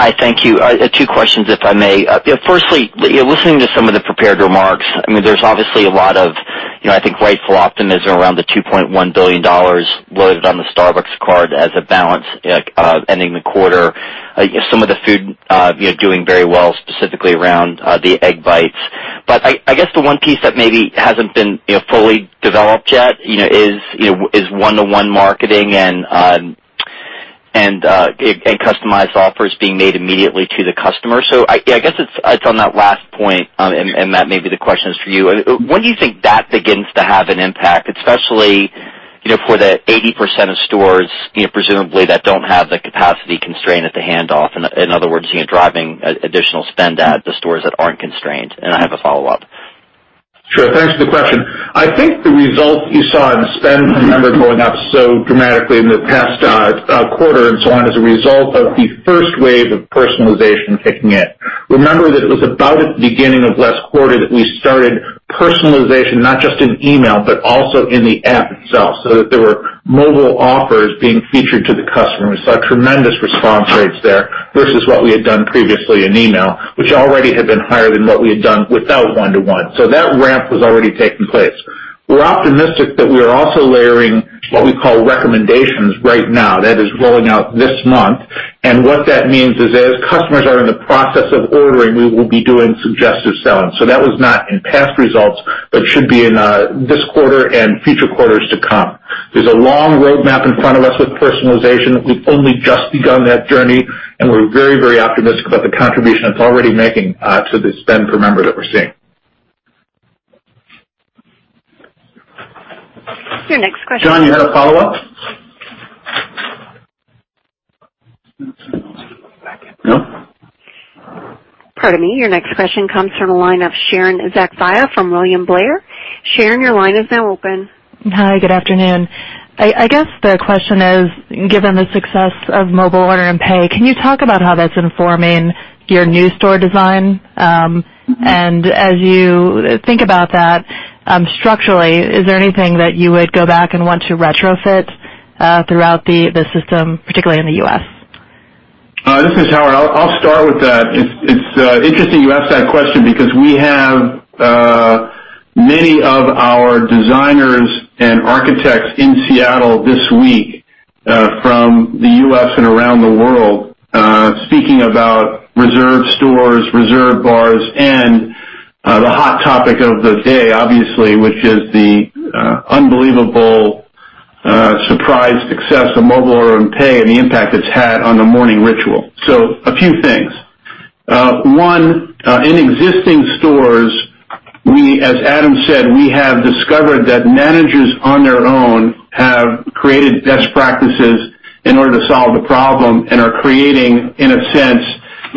Hi, thank you. Two questions, if I may. Firstly, listening to some of the prepared remarks, there's obviously a lot of I think rightful optimism around the $2.1 billion loaded on the Starbucks card as a balance ending the quarter. Some of the food doing very well, specifically around the egg bites. I guess the one piece that maybe hasn't been fully developed yet is one-to-one marketing and customized offers being made immediately to the customer. I guess it's on that last point, and Matt, maybe the question is for you. When do you think that begins to have an impact, especially for the 80% of stores presumably that don't have the capacity constraint at the handoff? In other words, driving additional spend at the stores that aren't constrained. I have a follow-up. Sure. Thanks for the question. I think the result you saw in spend per member going up so dramatically in the past quarter and so on is a result of the first wave of personalization kicking in. Remember that it was about at the beginning of last quarter that we started personalization, not just in email, but also in the app itself, so that there were mobile offers being featured to the customer, and we saw tremendous response rates there versus what we had done previously in email, which already had been higher than what we had done without one-to-one. That ramp was already taking place. We're optimistic that we are also layering what we call recommendations right now. That is rolling out this month. What that means is, as customers are in the process of ordering, we will be doing suggestive selling. That was not in past results, but should be in this quarter and future quarters to come. There's a long roadmap in front of us with personalization. We've only just begun that journey, and we're very optimistic about the contribution it's already making to the spend per member that we're seeing. Your next question- John, you had a follow-up? No? Pardon me. Your next question comes from the line of Sharon Zackfia from William Blair. Sharon, your line is now open. Hi, good afternoon. I guess the question is, given the success of Mobile Order and Pay, can you talk about how that's informing your new store design? As you think about that structurally, is there anything that you would go back and want to retrofit throughout the system, particularly in the U.S.? This is Howard. I'll start with that. It's interesting you ask that question because we have many of our designers and architects in Seattle this week from the U.S. and around the world speaking about Reserve stores, Reserve bars, and the hot topic of the day, obviously, which is the unbelievable surprise success of Mobile Order and Pay and the impact it's had on the morning ritual. A few things. One, in existing stores, as Adam said, we have discovered that managers on their own have created best practices in order to solve the problem and are creating, in a sense,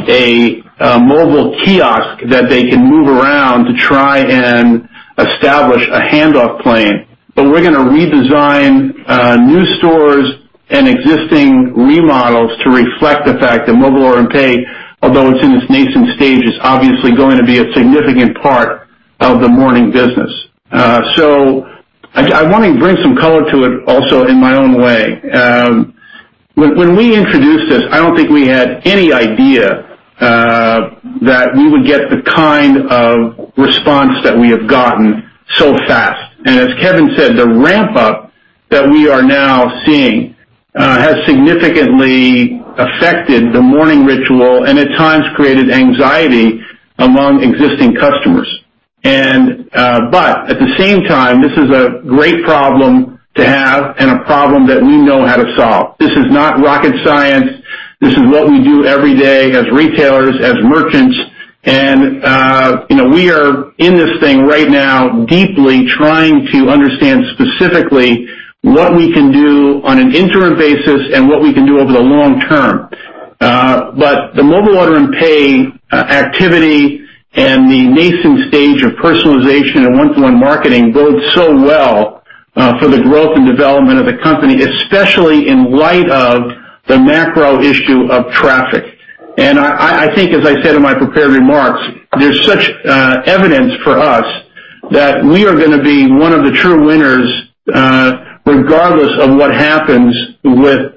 a mobile kiosk that they can move around to try and establish a handoff plane. We're going to redesign new stores and existing remodels to reflect the fact that Mobile Order and Pay, although it's in its nascent stage, is obviously going to be a significant part of the morning business. I want to bring some color to it also in my own way. When we introduced this, I don't think we had any idea that we would get the kind of response that we have gotten so fast. As Kevin said, the ramp-up that we are now seeing has significantly affected the morning ritual and at times created anxiety among existing customers. At the same time, this is a great problem to have and a problem that we know how to solve. This is not rocket science. This is what we do every day as retailers, as merchants, and we are in this thing right now deeply trying to understand specifically what we can do on an interim basis and what we can do over the long term. The Mobile Order and Pay activity and the nascent stage of personalization and one-to-one marketing bodes so well for the growth and development of the company, especially in light of the macro issue of traffic. I think, as I said in my prepared remarks, there's such evidence for us that we are going to be one of the true winners regardless of what happens with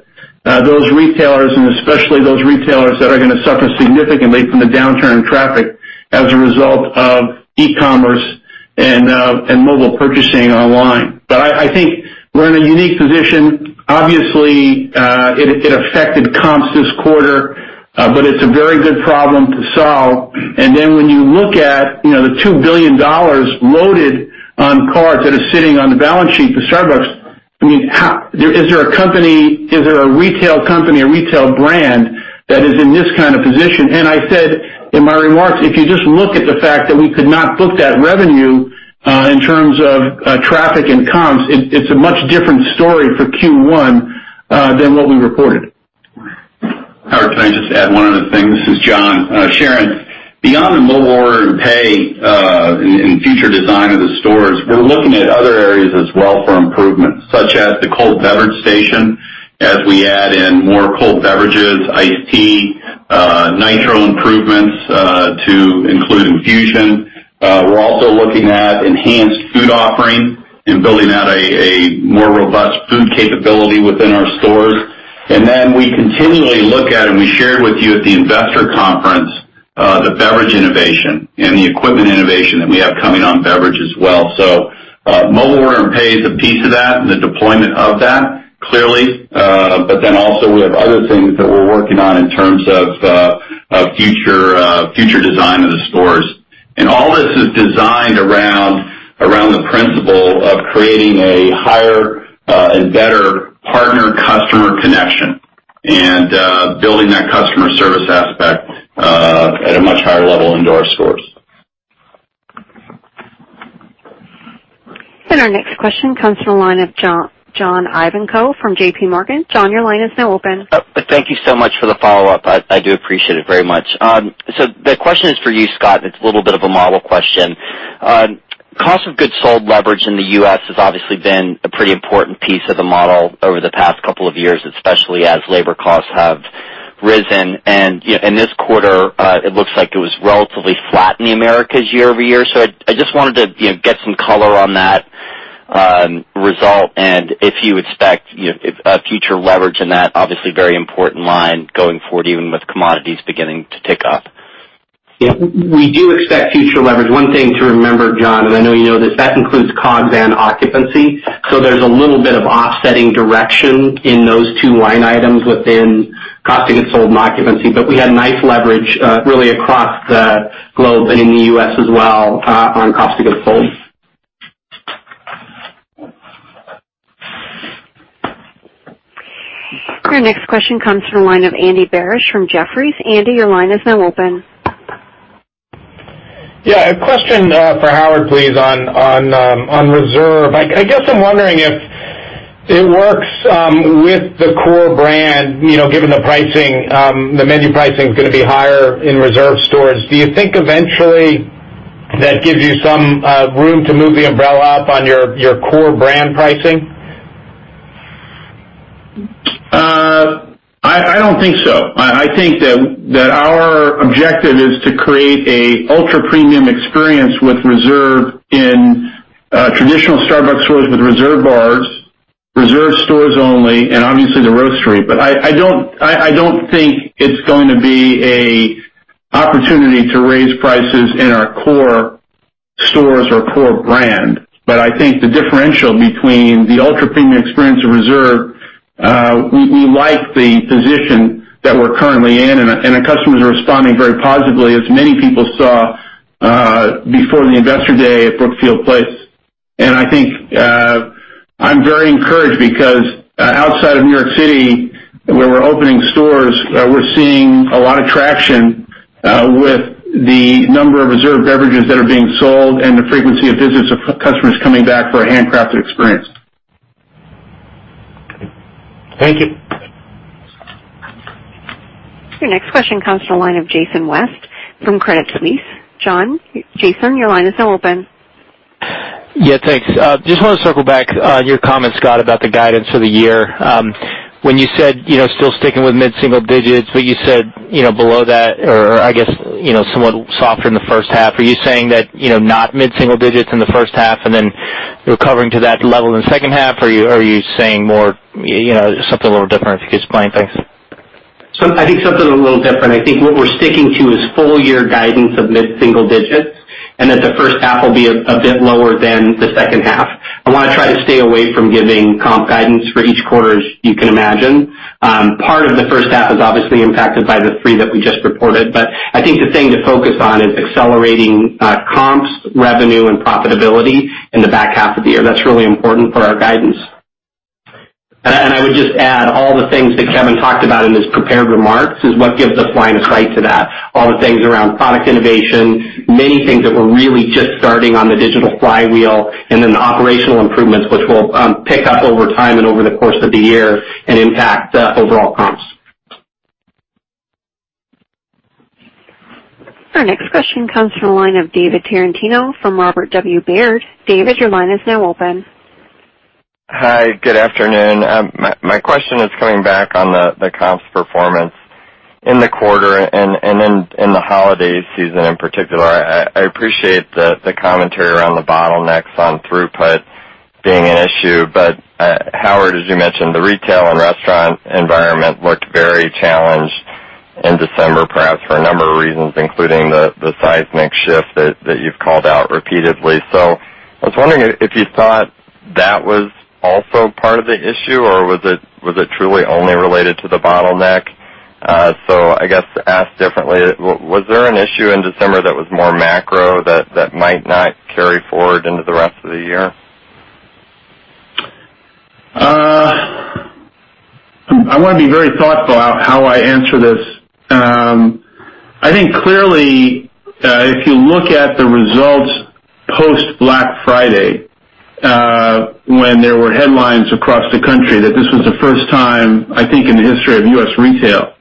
Especially those retailers that are going to suffer significantly from the downturn in traffic as a result of e-commerce and mobile purchasing online. I think we're in a unique position. Obviously, it affected comps this quarter, it's a very good problem to solve. When you look at the $2 billion loaded on cards that are sitting on the balance sheet for Starbucks, is there a retail company or retail brand that is in this kind of position? I said in my remarks, if you just look at the fact that we could not book that revenue in terms of traffic and comps, it's a much different story for Q1 than what we reported. Howard, can I just add one other thing? This is John. Sharon, beyond the Mobile Order and Pay in future design of the stores, we're looking at other areas as well for improvement, such as the cold beverage station, as we add in more cold beverages, iced tea, Nitro improvements to include infusion. We're also looking at enhanced food offering and building out a more robust food capability within our stores. We continually look at, and we shared with you at the investor conference, the beverage innovation and the equipment innovation that we have coming on beverage as well. Mobile Order and Pay is a piece of that and the deployment of that, clearly. Also we have other things that we're working on in terms of future design of the stores. All this is designed around the principle of creating a higher and better partner-customer connection and building that customer service aspect at a much higher level into our stores. Our next question comes from the line of John Ivankoe from JP Morgan. John, your line is now open. Thank you so much for the follow-up. I do appreciate it very much. The question is for you, Scott. It's a little bit of a model question. Cost of Goods Sold leverage in the U.S. has obviously been a pretty important piece of the model over the past couple of years, especially as labor costs have risen. In this quarter, it looks like it was relatively flat in the Americas year-over-year. I just wanted to get some color on that result and if you expect future leverage in that obviously very important line going forward, even with commodities beginning to tick up. We do expect future leverage. One thing to remember, John, and I know you know this, that includes COGS and occupancy. There's a little bit of offsetting direction in those two line items within Cost of Goods Sold and occupancy. We had nice leverage really across the globe and in the U.S. as well on Cost of Goods Sold. Our next question comes from the line of Andy Barish from Jefferies. Andy, your line is now open. A question for Howard, please, on Reserve. I guess I'm wondering if it works with the core brand, given the menu pricing's going to be higher in Reserve stores. Do you think eventually that gives you some room to move the umbrella up on your core brand pricing? I don't think so. I think that our objective is to create an ultra-premium experience with Starbucks Reserve in traditional Starbucks stores with Reserve bars, Reserve stores only, and obviously the Roastery. I don't think it's going to be an opportunity to raise prices in our core stores or core brand. I think the differential between the ultra-premium experience of Starbucks Reserve, we like the position that we're currently in, and the customers are responding very positively, as many people saw before the investor day at Brookfield Place. I think I'm very encouraged because outside of New York City, where we're opening stores, we're seeing a lot of traction with the number of Reserve beverages that are being sold and the frequency of visits of customers coming back for a handcrafted experience. Thank you. Your next question comes to the line of Jason West from Credit Suisse. Jason, your line is now open. Yeah, thanks. Just want to circle back on your comments, Scott, about the guidance for the year. When you said still sticking with mid-single digits, but you said below that or I guess somewhat softer in the first half, are you saying that not mid-single digits in the first half and then recovering to that level in the second half? Are you saying more, something a little different? If you could explain, thanks. Something a little different. I think what we're sticking to is full year guidance of mid-single digits, and that the first half will be a bit lower than the second half. I want to try to stay away from giving comp guidance for each quarter, as you can imagine. Part of the first half is obviously impacted by the three that we just reported, but I think the thing to focus on is accelerating comps, revenue, and profitability in the back half of the year. That's really important for our guidance. I would just add all the things that Kevin talked about in his prepared remarks is what gives us line of sight to that. All the things around product innovation, many things that we're really just starting on the digital flywheel, and then the operational improvements which will pick up over time and over the course of the year and impact overall comps. Our next question comes from the line of David Tarantino from Robert W. Baird. David, your line is now open. Hi, good afternoon. My question is coming back on the comps performance. In the quarter and in the holiday season in particular, I appreciate the commentary around the bottlenecks on throughput being an issue. Howard, as you mentioned, the retail and restaurant environment looked very challenged in December, perhaps for a number of reasons, including the seismic shift that you've called out repeatedly. I was wondering if you thought that was also part of the issue or was it truly only related to the bottleneck? I guess asked differently, was there an issue in December that was more macro that might not carry forward into the rest of the year? I want to be very thoughtful how I answer this. I think clearly, if you look at the results post Black Friday, when there were headlines across the country that this was the first time, I think, in the history of U.S. retail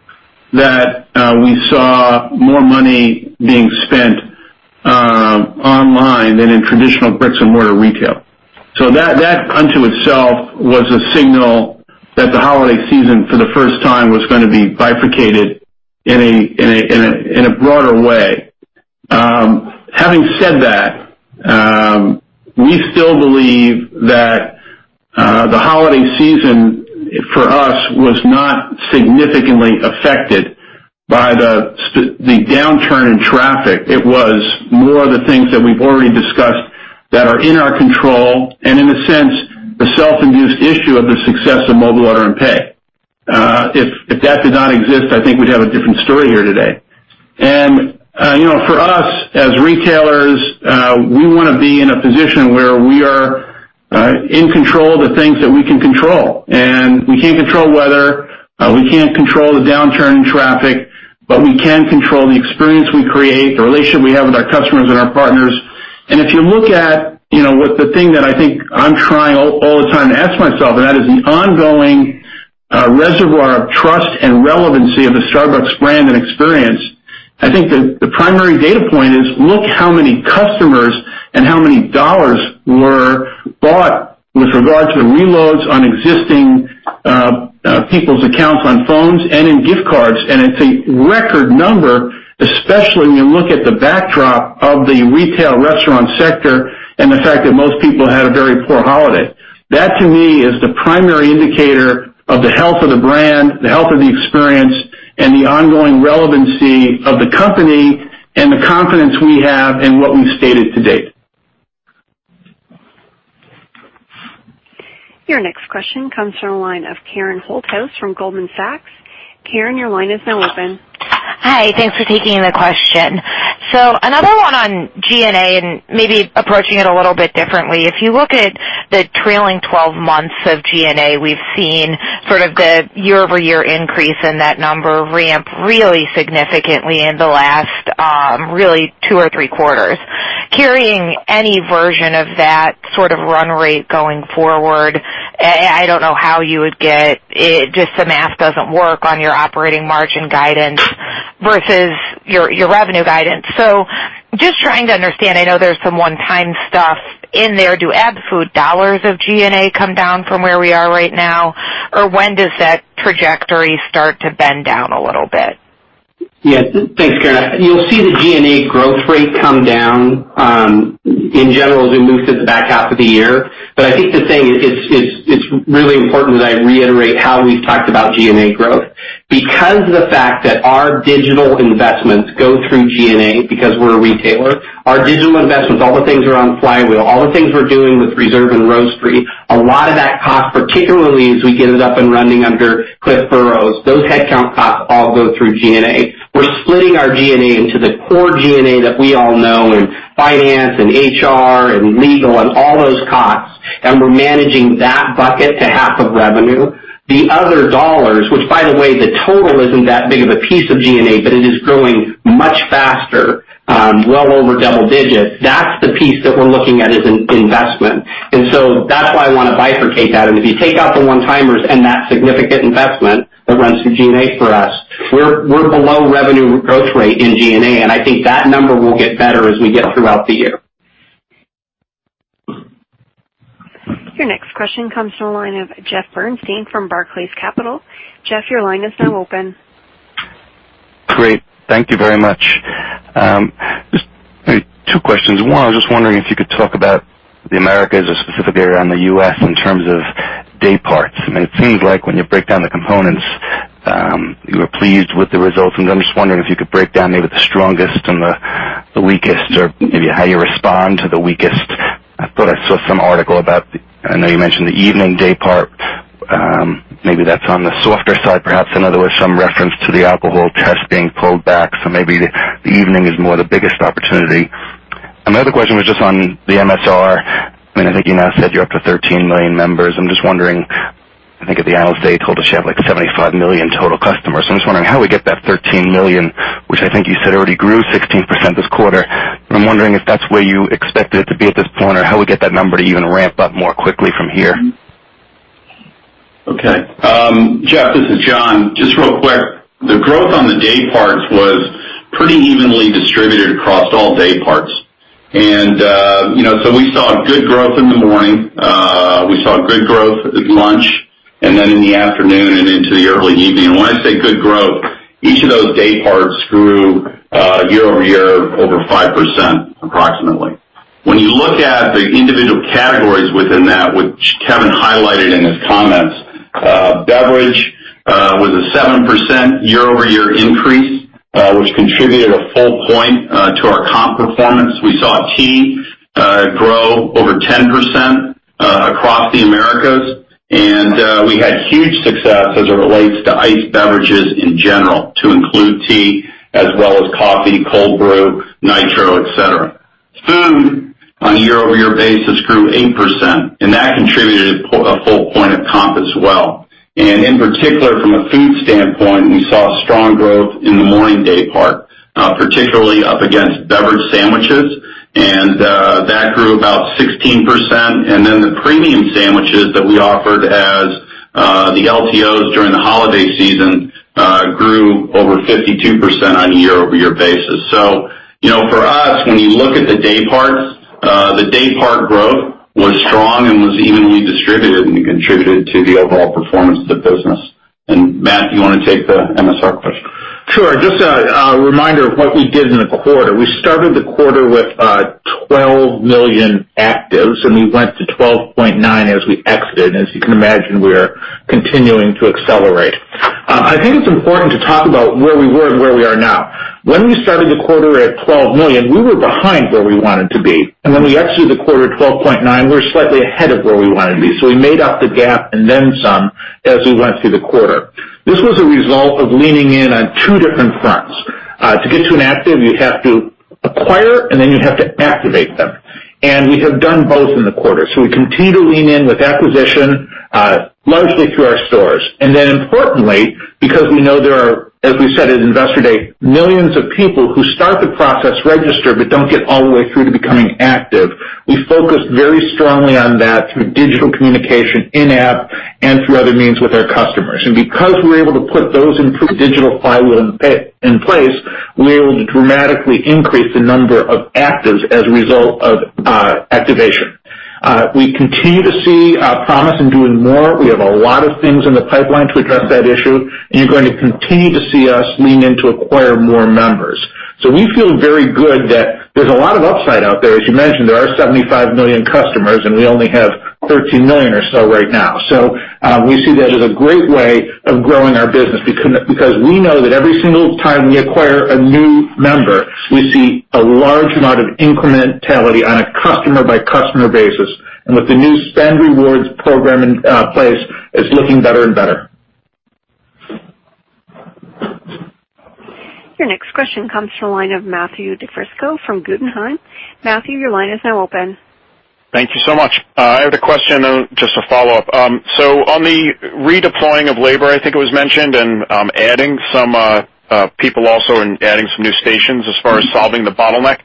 that we saw more money being spent online than in traditional bricks-and-mortar retail. That unto itself was a signal that the holiday season, for the first time, was going to be bifurcated in a broader way. Having said that, we still believe that the holiday season for us was not significantly affected by the downturn in traffic. It was more of the things that we've already discussed that are in our control, and in a sense, the self-induced issue of the success of Mobile Order and Pay. If that did not exist, I think we'd have a different story here today. For us, as retailers, we want to be in a position where we are in control of the things that we can control. We can't control weather, we can't control the downturn in traffic, but we can control the experience we create, the relationship we have with our customers and our partners. If you look at the thing that I think I'm trying all the time to ask myself, and that is the ongoing reservoir of trust and relevancy of the Starbucks brand and experience, I think the primary data point is look how many customers and how many dollars were bought with regard to the reloads on existing people's accounts on phones and in gift cards. It's a record number, especially when you look at the backdrop of the retail restaurant sector and the fact that most people had a very poor holiday. That, to me, is the primary indicator of the health of the brand, the health of the experience, and the ongoing relevancy of the company and the confidence we have in what we've stated to date. Your next question comes from the line of Karen Holthouse from Goldman Sachs. Karen, your line is now open. Hi. Thanks for taking the question. Another one on G&A and maybe approaching it a little bit differently. If you look at the trailing 12 months of G&A, we've seen sort of the year-over-year increase in that number ramp really significantly in the last really two or three quarters. Carrying any version of that sort of run rate going forward, I don't know how you would get it, just the math doesn't work on your operating margin guidance versus your revenue guidance. Just trying to understand, I know there's some one-time stuff in there. Do absolute dollars of G&A come down from where we are right now? Or when does that trajectory start to bend down a little bit? Yes. Thanks, Karen. You'll see the G&A growth rate come down in general as we move to the back half of the year. I think the thing, it's really important that I reiterate how we've talked about G&A growth. Because of the fact that our digital investments go through G&A because we're a retailer, our digital investments, all the things around Flywheel, all the things we're doing with Reserve and Roastery, a lot of that cost, particularly as we get it up and running under Cliff Burrows, those headcount costs all go through G&A. We're splitting our G&A into the core G&A that we all know in finance and HR and legal and all those costs, and we're managing that bucket to half of revenue. The other dollars, which by the way, the total isn't that big of a piece of G&A, it is growing much faster, well over double digits. That's the piece that we're looking at as an investment. That's why I want to bifurcate that. If you take out the one-timers and that significant investment that runs through G&A for us, we're below revenue growth rate in G&A, and I think that number will get better as we get throughout the year. Your next question comes from the line of Jeff Bernstein from Barclays Capital. Jeff, your line is now open. Great. Thank you very much. Just two questions. One, I was just wondering if you could talk about the Americas, a specific area on the U.S. in terms of day parts. It seems like when you break down the components, you were pleased with the results. I'm just wondering if you could break down maybe the strongest and the weakest, or maybe how you respond to the weakest. I thought I saw some article about, I know you mentioned the evening day part. Maybe that's on the softer side, perhaps. I know there was some reference to the alcohol test being pulled back, so maybe the evening is more the biggest opportunity. Another question was just on the MSR. I think you now said you're up to 13 million members. I'm just wondering, I think at the analyst day, told us you have 75 million total customers. I'm just wondering how we get that 13 million, which I think you said already grew 16% this quarter. I'm wondering if that's where you expected it to be at this point or how we get that number to even ramp up more quickly from here. Okay. Jeff, this is John. Just real quick. The growth on the day parts was pretty evenly distributed across all day parts. We saw good growth in the morning. We saw good growth at lunch, and then in the afternoon and into the early evening. When I say good growth, each of those day parts grew year-over-year over 5%, approximately. When you look at the individual categories within that, which Kevin highlighted in his comments, beverage was a 7% year-over-year increase, which contributed a full point to our comp performance. We saw tea grow over 10% across the Americas, and we had huge success as it relates to iced beverages in general, to include tea as well as coffee, cold brew, nitro, et cetera. Food, on a year-over-year basis, grew 8%, and that contributed a full point of comp as well. In particular, from a food standpoint, we saw strong growth in the morning day part, particularly up against beverage sandwiches, and that grew about 16%. the premium sandwiches that we offered as the LTOs during the holiday season grew over 52% on a year-over-year basis. For us, when you look at the day parts, the day part growth was strong and was evenly distributed and contributed to the overall performance of the business. Matt, you want to take the MSR question? Sure. Just a reminder of what we did in the quarter. We started the quarter with 12 million actives, and we went to 12.9 as we exited. As you can imagine, we are continuing to accelerate. I think it's important to talk about where we were and where we are now. When we started the quarter at 12 million, we were behind where we wanted to be. When we exited the quarter at 12.9, we were slightly ahead of where we wanted to be. We made up the gap and then some as we went through the quarter. This was a result of leaning in on two different fronts. To get to an active, you have to acquire and then you have to activate them, and we have done both in the quarter. We continue to lean in with acquisition, largely through our stores. importantly, because we know there are, as we said at Investor Day, millions of people who start the process, register, but don't get all the way through to becoming active. We focused very strongly on that through digital communication, in-app, and through other means with our customers. Because we were able to put those improved digital flywheel in place, we were able to dramatically increase the number of actives as a result of activation. We continue to see promise in doing more. We have a lot of things in the pipeline to address that issue, you're going to continue to see us lean in to acquire more members. We feel very good that there's a lot of upside out there. As you mentioned, there are 75 million customers, and we only have 13 million or so right now. We see that as a great way of growing our business, because we know that every single time we acquire a new member, we see a large amount of incrementality on a customer-by-customer basis. With the new spend rewards program in place, it's looking better and better. Your next question comes from the line of Matthew DiFrisco from Guggenheim. Matthew, your line is now open. Thank you so much. I have a question and just a follow-up. On the redeploying of labor, I think it was mentioned, and adding some people also and adding some new stations as far as solving the bottleneck.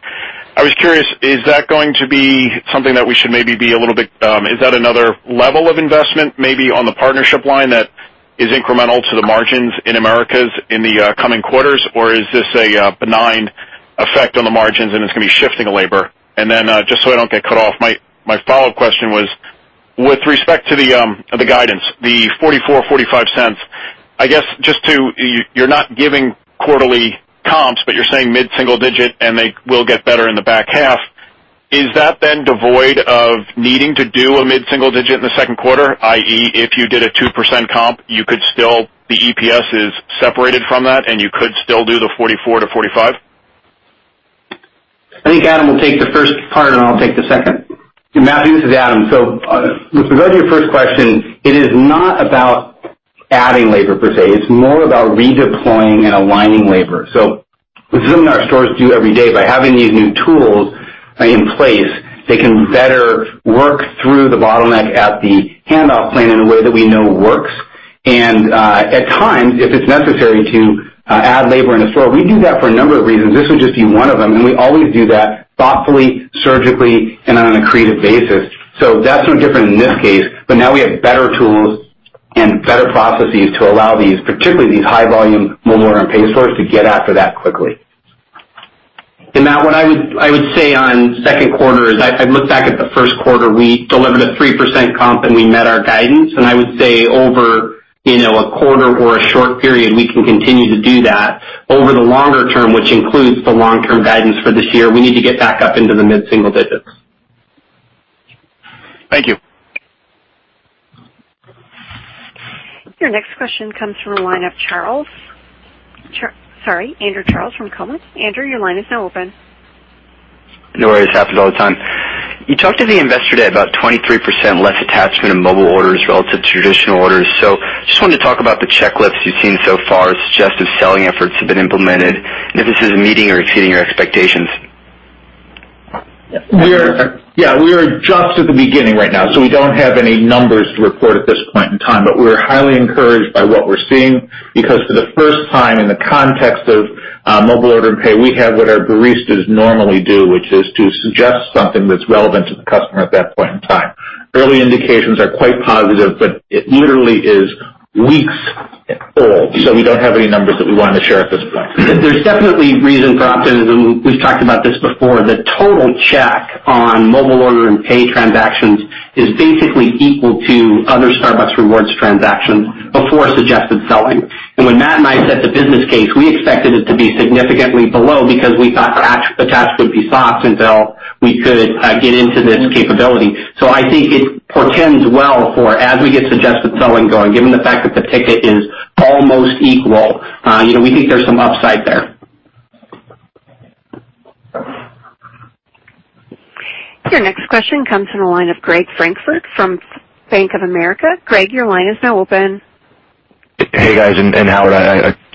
I was curious, is that going to be something that we should maybe be a little bit. Is that another level of investment, maybe on the partnership line that is incremental to the margins in Americas in the coming quarters? Or is this a benign effect on the margins and it's going to be shifting of labor? Just so I don't get cut off, my follow-up question was, with respect to the guidance, the 44, 45 cents, I guess you're not giving quarterly comps, but you're saying mid-single digit and they will get better in the back half. Is that then devoid of needing to do a mid-single digit in the second quarter, i.e., if you did a 2% comp, the EPS is separated from that and you could still do the 44-45? I think Adam will take the first part, and I'll take the second. Matthew, this is Adam. With regard to your first question, it is not about adding labor per se. It's more about redeploying and aligning labor. This is something our stores do every day. By having these new tools in place, they can better work through the bottleneck at the handoff plane in a way that we know works. At times, if it's necessary to add labor in a store, we do that for a number of reasons. This would just be one of them, and we always do that thoughtfully, surgically, and on a creative basis. That's no different in this case. Now we have better tools and better processes to allow these, particularly these high volume Mobile Order and Pay stores, to get after that quickly. Matt, what I would say on second quarter is I look back at the first quarter, we delivered a 3% comp and we met our guidance. I would say over a quarter or a short period, we can continue to do that. Over the longer term, which includes the long-term guidance for this year, we need to get back up into the mid-single digits. Thank you. Your next question comes from the line of Charles. Sorry, Andrew Charles from Cowen. Andrew, your line is now open. No worries. Happens all the time. You talked at the Investor Day about 23% less attachment in mobile orders relative to traditional orders. Just wanted to talk about the checklist you've seen so far, suggestive selling efforts have been implemented, and if this is meeting or exceeding your expectations. We are just at the beginning right now, we don't have any numbers to report at this point in time. We're highly encouraged by what we're seeing, because for the first time in the context of Mobile Order and Pay, we have what our baristas normally do, which is to suggest something that's relevant to the customer at that point in time. Early indications are quite positive, it literally is weeks old, we don't have any numbers that we want to share at this point. There's definitely reason for optimism. We've talked about this before. The total check on Mobile Order and Pay transactions is basically equal to other Starbucks Rewards transactions before suggested selling. When Matt and I set the business case, we expected it to be significantly below because we thought attach would be soft until we could get into this capability. I think it portends well for as we get suggested selling going, given the fact that the ticket is almost equal. We think there's some upside there. Your next question comes from the line of Greg Francfort from Bank of America. Greg, your line is now open. Hey, guys, Howard,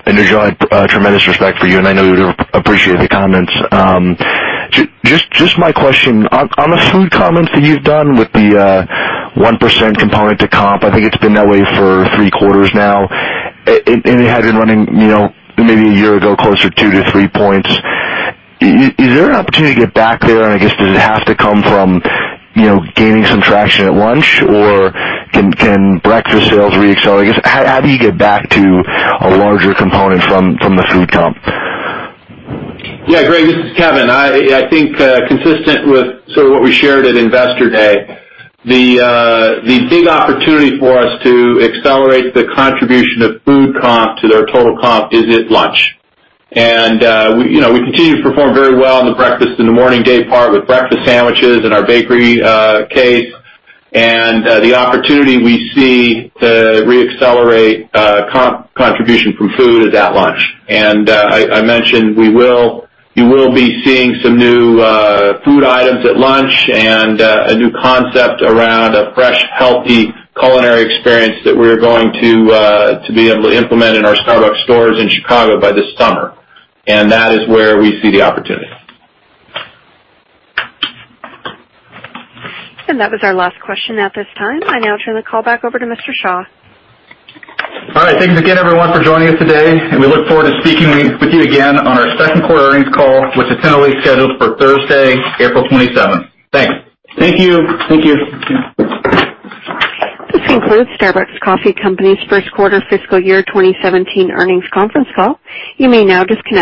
I know John, tremendous respect for you, and I know you appreciate the comments. Just my question. On the food comments that you've done with the 1% component to comp, I think it's been that way for three quarters now, and it had been running maybe a year ago, closer to 2-3 points. Is there an opportunity to get back there? I guess, does it have to come from gaining some traction at lunch, or can breakfast sales re-accelerate? I guess, how do you get back to a larger component from the food comp? Yeah, Greg, this is Kevin. I think consistent with sort of what we shared at Investor Day, the big opportunity for us to accelerate the contribution of food comp to their total comp is at lunch. We continue to perform very well in the breakfast and the morning day part with breakfast sandwiches and our bakery case. The opportunity we see to re-accelerate contribution from food is at lunch. I mentioned you will be seeing some new food items at lunch and a new concept around a fresh, healthy culinary experience that we're going to be able to implement in our Starbucks stores in Chicago by this summer. That is where we see the opportunity. That was our last question at this time. I now turn the call back over to Mr. Shaw. All right. Thanks again, everyone, for joining us today. We look forward to speaking with you again on our second quarter earnings call, which is currently scheduled for Thursday, April 27th. Thanks. Thank you. Thank you. This concludes Starbucks Coffee Company's first quarter fiscal year 2017 earnings conference call. You may now disconnect.